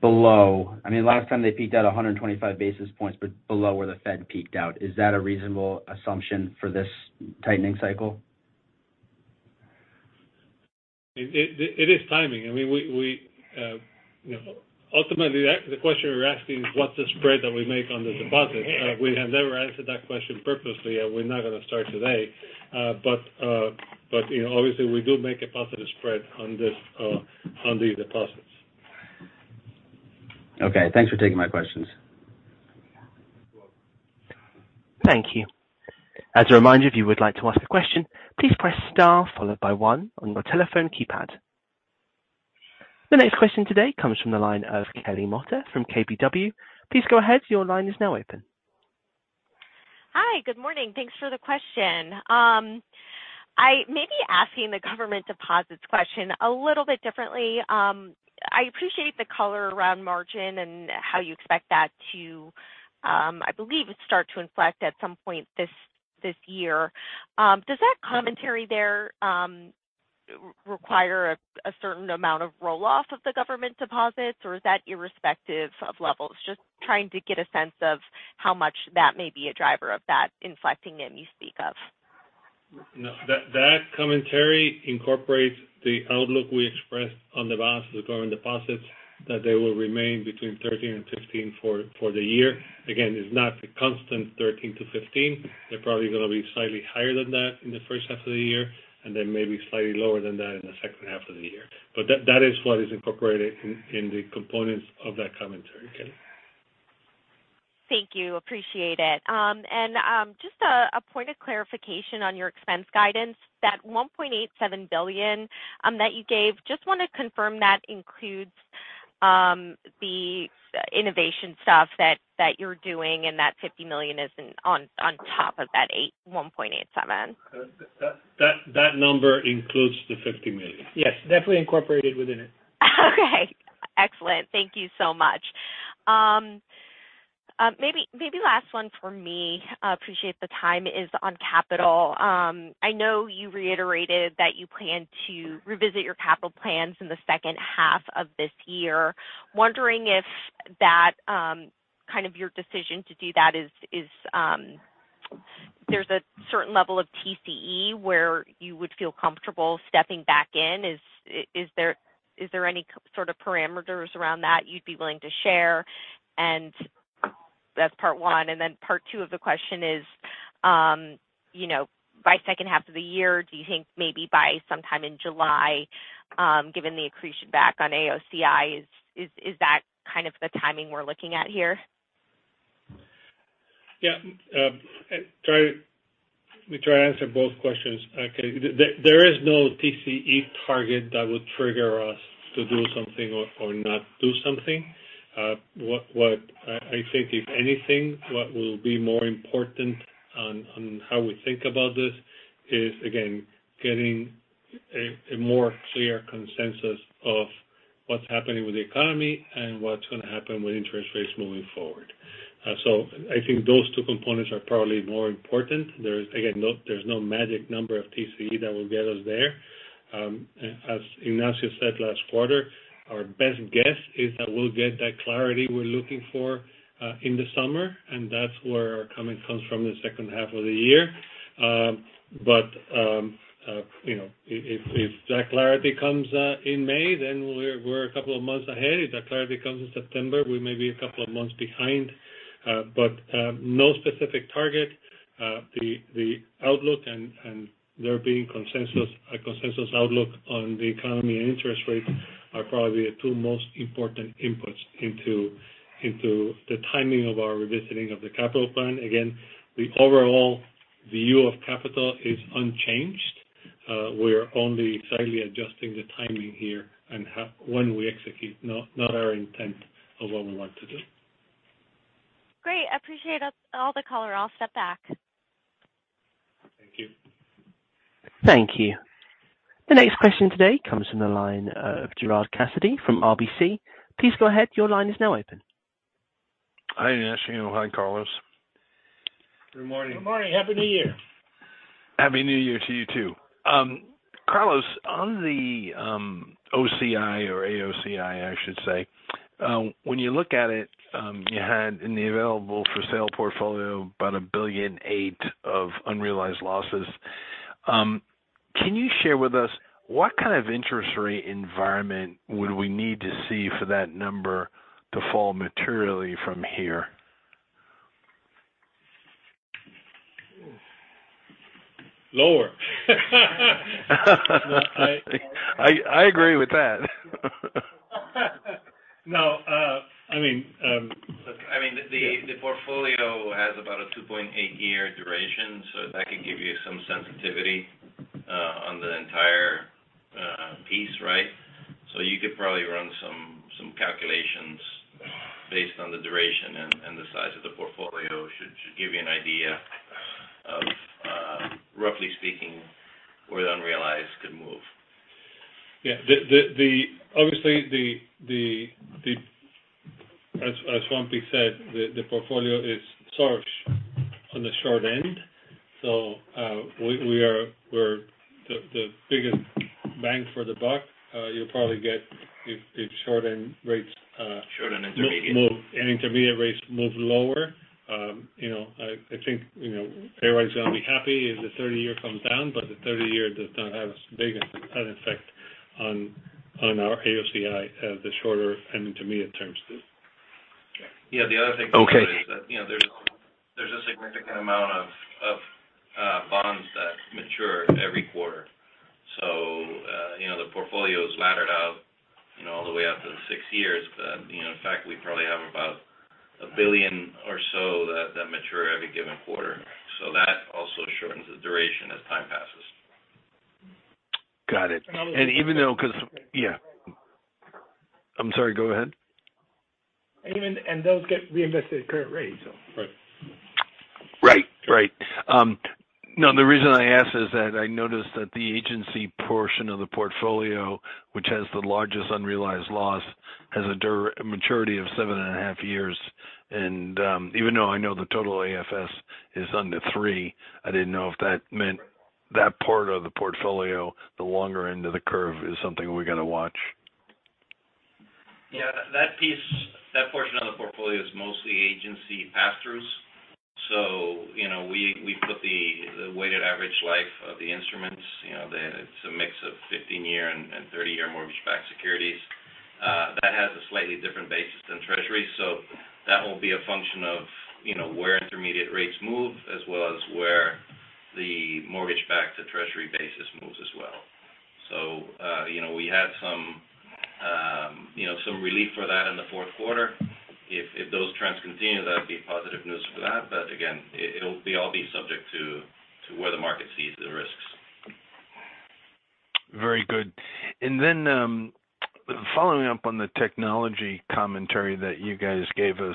Speaker 7: below. I mean, last time they peaked out 125 basis points, but below where the Fed peaked out. Is that a reasonable assumption for this tightening cycle?
Speaker 4: It is timing. I mean, we, you know. Ultimately, the question you're asking is what's the spread that we make on the deposits. We have never answered that question purposely, and we're not gonna start today. You know, obviously we do make a positive spread on this, on these deposits.
Speaker 7: Okay. Thanks for taking my questions.
Speaker 4: You're welcome.
Speaker 1: Thank you. As a reminder, if you would like to ask a question, please press star followed by one on your telephone keypad. The next question today comes from the line of Kelly Motta from KBW. Please go ahead. Your line is now open.
Speaker 8: Hi. Good morning. Thanks for the question. I may be asking the government deposits question a little bit differently. I appreciate the color around margin and how you expect that to, I believe start to inflect at some point this year. Does that commentary there require a certain amount of roll-off of the government deposits, or is that irrespective of levels? Just trying to get a sense of how much that may be a driver of that inflecting NIM you speak of.
Speaker 4: No. That commentary incorporates the outlook we expressed on the vast government deposits that they will remain between 13 and 15 for the year. Again, it's not a constant 13 to 15. They're probably gonna be slightly higher than that in the first half of the year, and then maybe slightly lower than that in the second half of the year. That is what is incorporated in the components of that commentary, Kelly.
Speaker 8: Thank you. Appreciate it. Just a point of clarification on your expense guidance. That $1.87 billion that you gave, just wanna confirm that includes the innovation stuff that you're doing and that $50 million isn't on top of that $1.87.
Speaker 4: That number includes the $50 million.
Speaker 3: Yes, definitely incorporated within it.
Speaker 8: Okay. Excellent. Thank you so much. Maybe last one for me, appreciate the time, is on capital. I know you reiterated that you plan to revisit your capital plans in the second half of this year. Wondering if that kind of your decision to do that is there's a certain level of TCE where you would feel comfortable stepping back in. Is there any sort of parameters around that you'd be willing to share? That's part one. Part two of the question is, you know, by second half of the year, do you think maybe by sometime in July, given the accretion back on AOCI is that kind of the timing we're looking at here?
Speaker 4: Yeah. Let me try to answer both questions. Okay. There is no TCE target that would trigger us to do something or not do something. What I think, if anything, what will be more important on how we think about this is, again, getting a more clear consensus of what's happening with the economy and what's going to happen with interest rates moving forward. I think those two components are probably more important. There is, again, there's no magic number of TCE that will get us there. As Ignacio said last quarter, our best guess is that we'll get that clarity we're looking for in the summer, that's where our comment comes from the second half of the year. You know, if that clarity comes in May, then we're a couple of months ahead. If that clarity comes in September, we may be a couple of months behind. No specific target. The outlook and there being consensus, a consensus outlook on the economy and interest rates are probably the two most important inputs into the timing of our revisiting of the capital plan. Again, the overall view of capital is unchanged. We're only slightly adjusting the timing here and when we execute, not our intent of what we want to do.
Speaker 8: Great. I appreciate it. That's all the color. I'll step back.
Speaker 4: Thank you.
Speaker 1: Thank you. The next question today comes from the line of Gerard Cassidy from RBC. Please go ahead. Your line is now open.
Speaker 9: Hi, Ignacio. Hi, Carlos.
Speaker 3: Good morning.
Speaker 4: Good morning. Happy New Year.
Speaker 9: Happy New Year to you, too. Carlos, on the OCI or AOCI, I should say, when you look at it, you had in the available-for-sale portfolio about $1.8 billion of unrealized losses. Can you share with us what kind of interest rate environment would we need to see for that number to fall materially from here?
Speaker 4: Lower.
Speaker 9: I agree with that.
Speaker 10: No. I mean,...Look, I mean, the portfolio has about a 2.8 year duration, so that could give you some sensitivity, on the entire, piece, right? You could probably run some calculations based on the duration and the size of the portfolio. Should give you an idea of, roughly speaking, where the unrealized could move.
Speaker 4: Yeah. The obviously, the as Juanpi said, the portfolio is sourced on the short end. We're the biggest bang for the buck. You'll probably get if short-end rates.
Speaker 10: Short-end intermediate
Speaker 4: And intermediate rates move lower. You know, I think, you know, everyone's going to be happy if the 30-year comes down, but the 30-year does not have as big an effect on our AOCI as the shorter and intermediate terms do.
Speaker 10: Yeah. The other thing is that, you know, there's a significant amount of bonds that mature every quarter. You know, the portfolio is laddered out, you know, all the way up to six years. You know, in fact, we probably have about $1 billion or so that mature every given quarter. That also shortens the duration as time passes.
Speaker 9: Got it. Yeah. I'm sorry. Go ahead.
Speaker 4: Those get reinvested at current rates.
Speaker 9: Right. Right. Right. No, the reason I ask is that I noticed that the agency portion of the portfolio, which has the largest unrealized loss, has a maturity of seven and a half years. Even though I know the total AFS is under three, I didn't know if that meant that part of the portfolio, the longer end of the curve is something we got to watch.
Speaker 4: Yeah. That piece, that portion of the portfolio is mostly agency pass-throughs. You know, we put the weighted average life of the instruments. You know, it's a mix of 15-year and 30-year mortgage-backed securities. That has a slightly different basis than Treasury. That will be a function of, you know, where intermediate rates move, as well as where the mortgage-backed to Treasury basis moves as well. You know, some relief for that in the fourth quarter. If those trends continue, that would be positive news for that. Again, it'll be all be subject to where the market sees the risks.
Speaker 9: Very good. Following up on the technology commentary that you guys gave us,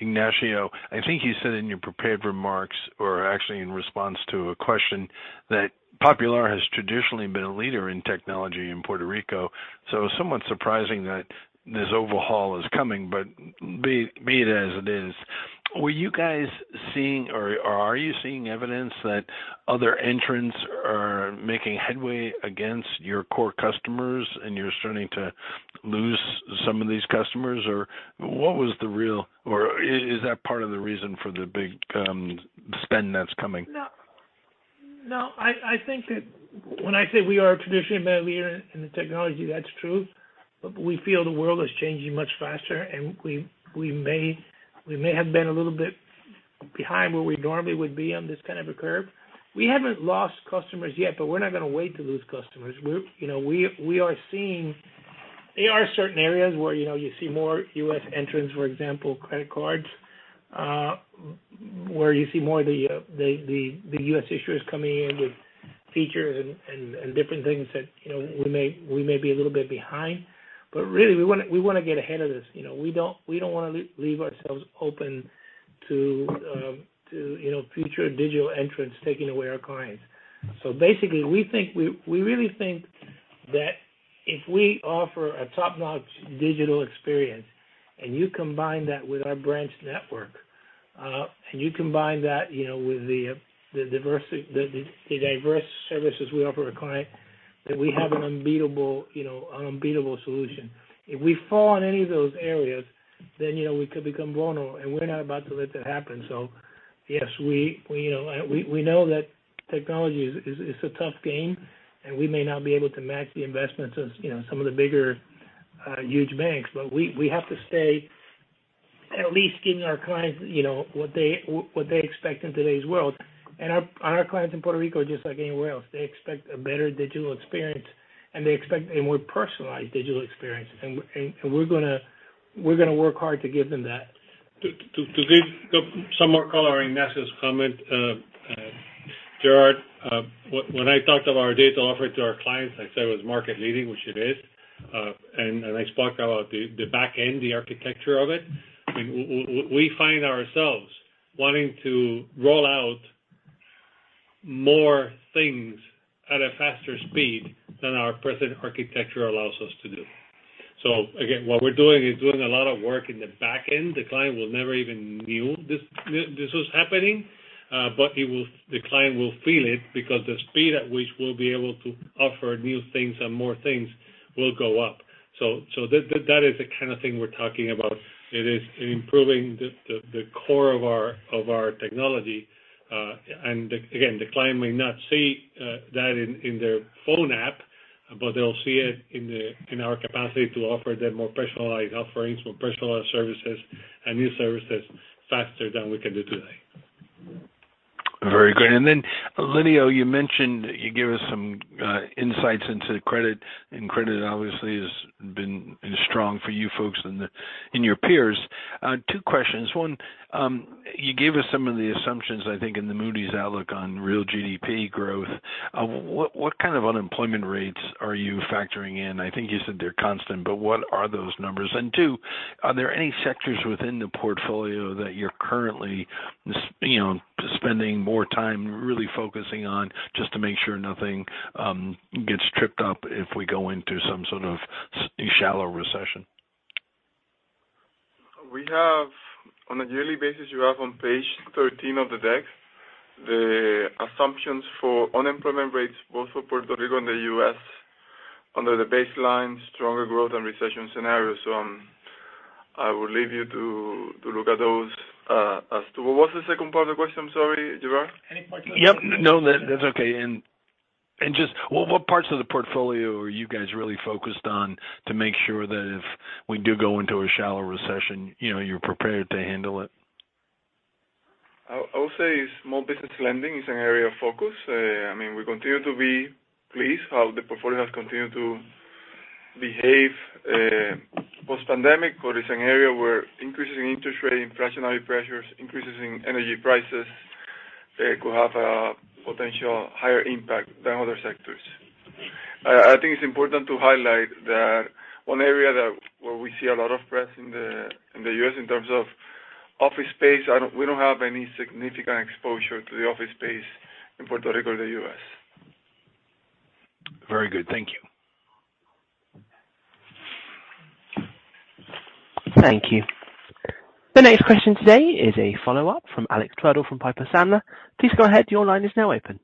Speaker 9: Ignacio, I think you said in your prepared remarks, or actually in response to a question, that Popular has traditionally been a leader in technology in Puerto Rico. Somewhat surprising that this overhaul is coming. Be it as it is. Were you guys seeing or are you seeing evidence that other entrants are making headway against your core customers and you're starting to lose some of these customers? Is that part of the reason for the big spend that's coming?
Speaker 3: No. I think that when I say we are traditionally a leader in the technology, that's true. We feel the world is changing much faster, and we may have been a little bit behind where we normally would be on this kind of a curve. We haven't lost customers yet, we're not gonna wait to lose customers. We're, you know, we are seeing. There are certain areas where, you know, you see more U.S. entrants, for example, credit cards, where you see more of the U.S. issuers coming in with features and different things that, you know, we may be a little bit behind. Really, we wanna get ahead of this. You know, we don't wanna leave ourselves open to, you know, future digital entrants taking away our clients. Basically, we really think that if we offer a top-notch digital experience, and you combine that with our branch network, and you combine that, you know, with the diversity, the diverse services we offer a client, that we have an unbeatable, you know, an unbeatable solution. If we fall in any of those areas, you know, we could become vulnerable, and we're not about to let that happen. Yes, we, you know, we know that technology is a tough game, and we may not be able to match the investments of, you know, some of the bigger, huge banks. We have to stay at least giving our clients, you know, what they expect in today's world. Our clients in Puerto Rico are just like anywhere else. They expect a better digital experience, and they expect a more personalized digital experience. We're gonna work hard to give them that.
Speaker 4: To give some more color on Ernesto's comment, Gerard, when I talked about our data offering to our clients, I said it was market leading, which it is. I spoke about the back end, the architecture of it. I mean, we find ourselves wanting to roll out more things at a faster speed than our present architecture allows us to do. Again, what we're doing is doing a lot of work in the back end. The client will never even knew this was happening. The client will feel it because the speed at which we'll be able to offer new things and more things will go up. That is the kind of thing we're talking about. It is improving the core of our technology. Again, the client may not see that in their phone app, but they'll see it in our capacity to offer them more personalized offerings, more personalized services and new services faster than we can do today.
Speaker 9: Very good. Lidio, you mentioned you gave us some insights into credit, and credit obviously has been strong for you folks and in your peers. Two questions. One, you gave us some of the assumptions, I think, in the Moody's outlook on real GDP growth. What, what kind of unemployment rates are you factoring in? I think you said they're constant, but what are those numbers? Two, are there any sectors within the portfolio that you're currently you know, spending more time really focusing on just to make sure nothing gets tripped up if we go into some sort of shallow recession?
Speaker 5: On a yearly basis, you have on page 13 of the deck the assumptions for unemployment rates both for Puerto Rico and the U.S. under the baseline, stronger growth and recession scenario. I will leave you to look at those. As to what was the second part of the question? I'm sorry, Gerard.
Speaker 3: Any parts of-
Speaker 9: Yep. No, that's okay. Just what parts of the portfolio are you guys really focused on to make sure that if we do go into a shallow recession, you know, you're prepared to handle it?
Speaker 5: I'll say small business lending is an area of focus. I mean, we continue to be pleased how the portfolio has continued to behave, post-pandemic. It's an area where increases in interest rate, inflationary pressures, increases in energy prices, could have a potential higher impact than other sectors. I think it's important to highlight that one area where we see a lot of press in the, in the US in terms of office space, we don't have any significant exposure to the office space in Puerto Rico or the U.S.
Speaker 9: Very good. Thank you.
Speaker 1: Thank you. The next question today is a follow-up from Alex Twerdahl from Piper Sandler. Please go ahead. Your line is now open.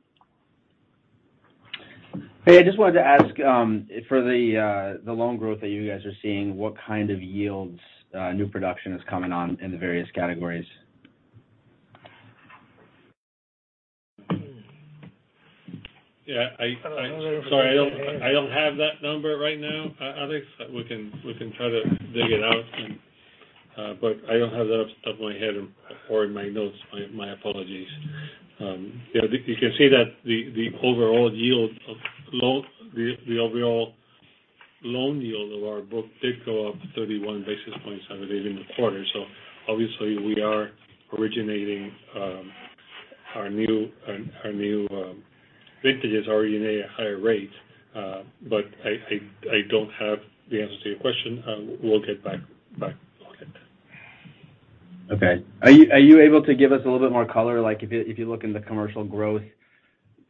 Speaker 7: Hey, I just wanted to ask, for the loan growth that you guys are seeing, what kind of yields, new production is coming on in the various categories?
Speaker 4: Sorry, I don't have that number right now, Alex. We can try to dig it out and I don't have that off the top of my head or in my notes. My apologies. You can see that the overall loan yield of our book did go up 31 basis points, I believe, in the quarter. Obviously we are originating our new vintages already at a higher rate. I don't have the answer to your question. We'll get back. Bye.
Speaker 7: Okay. Are you able to give us a little bit more color? Like, if you look in the commercial growth.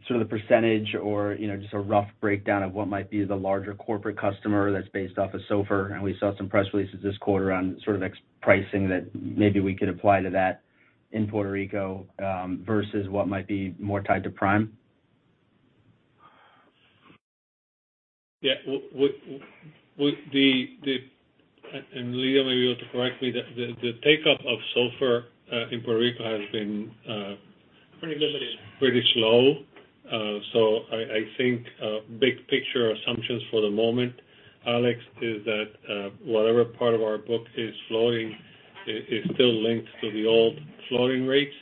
Speaker 7: Sort of the percentage or, you know, just a rough breakdown of what might be the larger corporate customer that's based off of SOFR. We saw some press releases this quarter on sort of ex pricing that maybe we could apply to that in Puerto Rico, versus what might be more tied to Prime.
Speaker 4: Yeah. Lidio may be able to correct me. The take-up of SOFR, in Puerto Rico has been...
Speaker 3: Pretty limited....
Speaker 4: pretty slow. I think big picture assumptions for the moment, Alex, is that, whatever part of our book is floating is still linked to the old floating rates.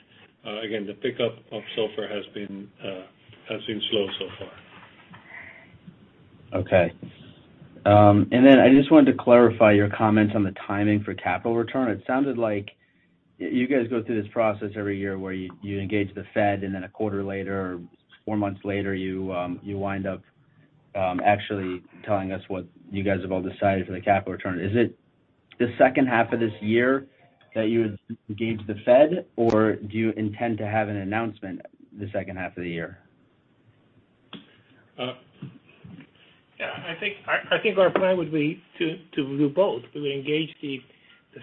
Speaker 4: Again, the pickup of SOFR has been slow so far.
Speaker 7: Okay. I just wanted to clarify your comments on the timing for capital return. It sounded like you guys go through this process every year where you engage the Fed and then a quarter later, four months later, you wind up actually telling us what you guys have all decided for the capital return. Is it the 2nd half of this year that you engage the Fed, or do you intend to have an announcement the 2nd half of the year?
Speaker 3: Yeah, I think our plan would be to do both. We would engage the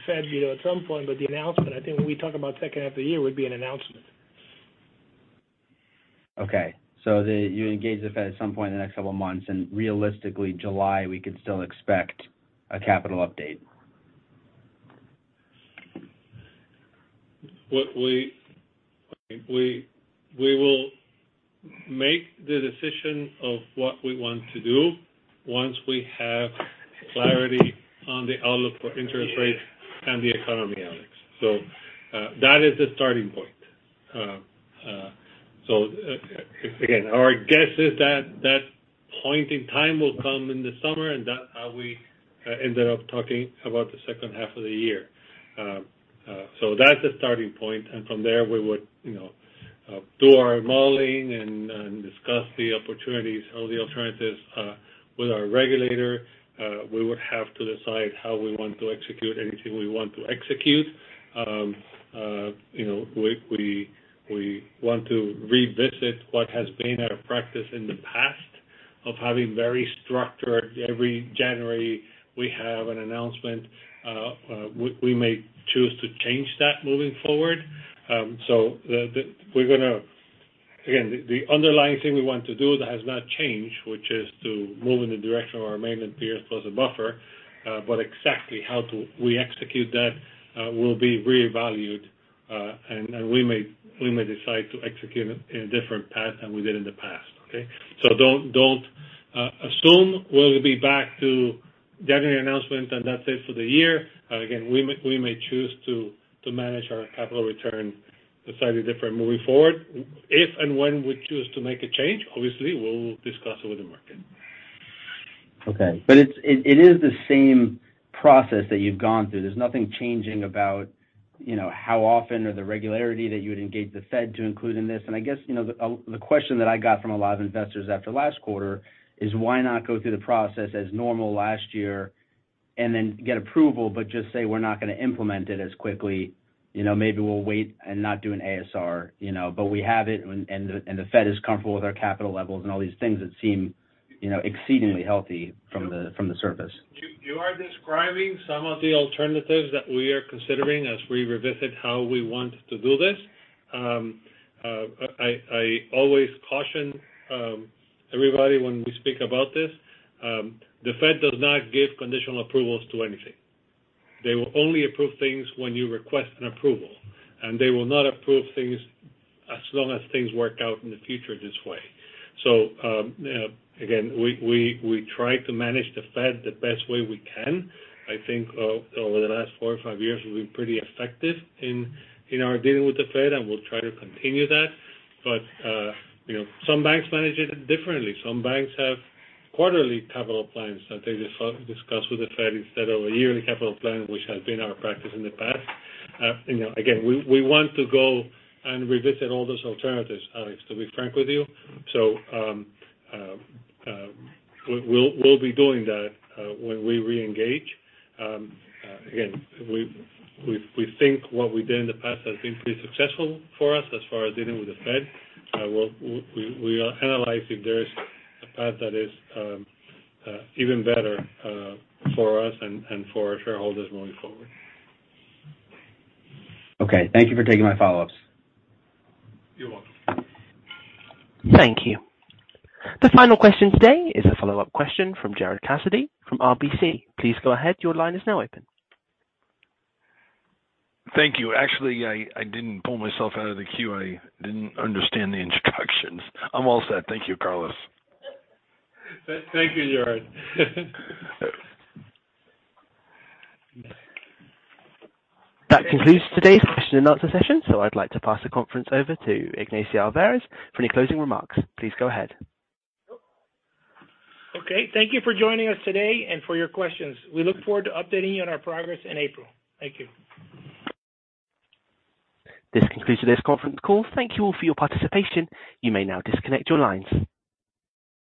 Speaker 3: Fed, you know, at some point. The announcement, I think when we talk about second half of the year would be an announcement.
Speaker 7: Okay. You engage the Fed at some point in the next couple of months and realistically July, we could still expect a capital update.
Speaker 4: We will make the decision of what we want to do once we have clarity on the outlook for interest rates and the economy, Alex. That is the starting point. Again, our guess is that that point in time will come in the summer, and that's how we ended up talking about the second half of the year. That's the starting point, and from there, we would, you know, do our modeling and discuss the opportunities or the alternatives with our regulator. We would have to decide how we want to execute anything we want to execute. You know, we want to revisit what has been our practice in the past of having very structured every January we have an announcement. We may choose to change that moving forward. Again, the underlying thing we want to do that has not changed, which is to move in the direction of our maintenance tier plus a buffer. Exactly how to we execute that will be reevaluated. We may decide to execute it in a different path than we did in the past, okay? Don't assume we'll be back to January announcement and that's it for the year. Again, we may choose to manage our capital return slightly different moving forward. If and when we choose to make a change, obviously we'll discuss it with the market.
Speaker 7: Okay. But it's the same process that you've gone through. There's nothing changing about, you know, how often or the regularity that you would engage the Fed to include in this. I guess, you know, the question that I got from a lot of investors after last quarter is why not go through the process as normal last year and then get approval, but just say, we're not gonna implement it as quickly. You know, maybe we'll wait and not do an ASR, you know, but we have it and the Fed is comfortable with our capital levels and all these things that seem, you know, exceedingly healthy from the surface.
Speaker 4: You are describing some of the alternatives that we are considering as we revisit how we want to do this. I always caution everybody when we speak about this, the Fed does not give conditional approvals to anything. They will only approve things when you request an approval, and they will not approve things as long as things work out in the future this way. Again, we try to manage the Fed the best way we can. I think over the last four or five years, we've been pretty effective in our dealing with the Fed, and we'll try to continue that. You know, some banks manage it differently. Some banks have quarterly capital plans that they discuss with the Fed instead of a yearly capital plan, which has been our practice in the past. Again, we want to go and revisit all those alternatives, Alex, to be frank with you. we'll be doing that when we reengage. Again, we think what we did in the past has been pretty successful for us as far as dealing with the Fed. We are analyzing if there is a path that is even better for us and for our shareholders moving forward.
Speaker 7: Okay. Thank you for taking my follow-ups.
Speaker 4: You're welcome.
Speaker 1: Thank you. The final question today is a follow-up question from Gerard Cassidy from RBC. Please go ahead. Your line is now open.
Speaker 9: Thank you. Actually, I didn't pull myself out of the queue. I didn't understand the instructions. I'm all set. Thank you, Carlos.
Speaker 4: Thank you, Gerard.
Speaker 1: That concludes today's question and answer session. I'd like to pass the conference over to Ignacio Alvarez for any closing remarks. Please go ahead.
Speaker 3: Okay. Thank you for joining us today and for your questions. We look forward to updating you on our progress in April. Thank you.
Speaker 1: This concludes today's conference call. Thank you all for your participation. You may now disconnect your lines.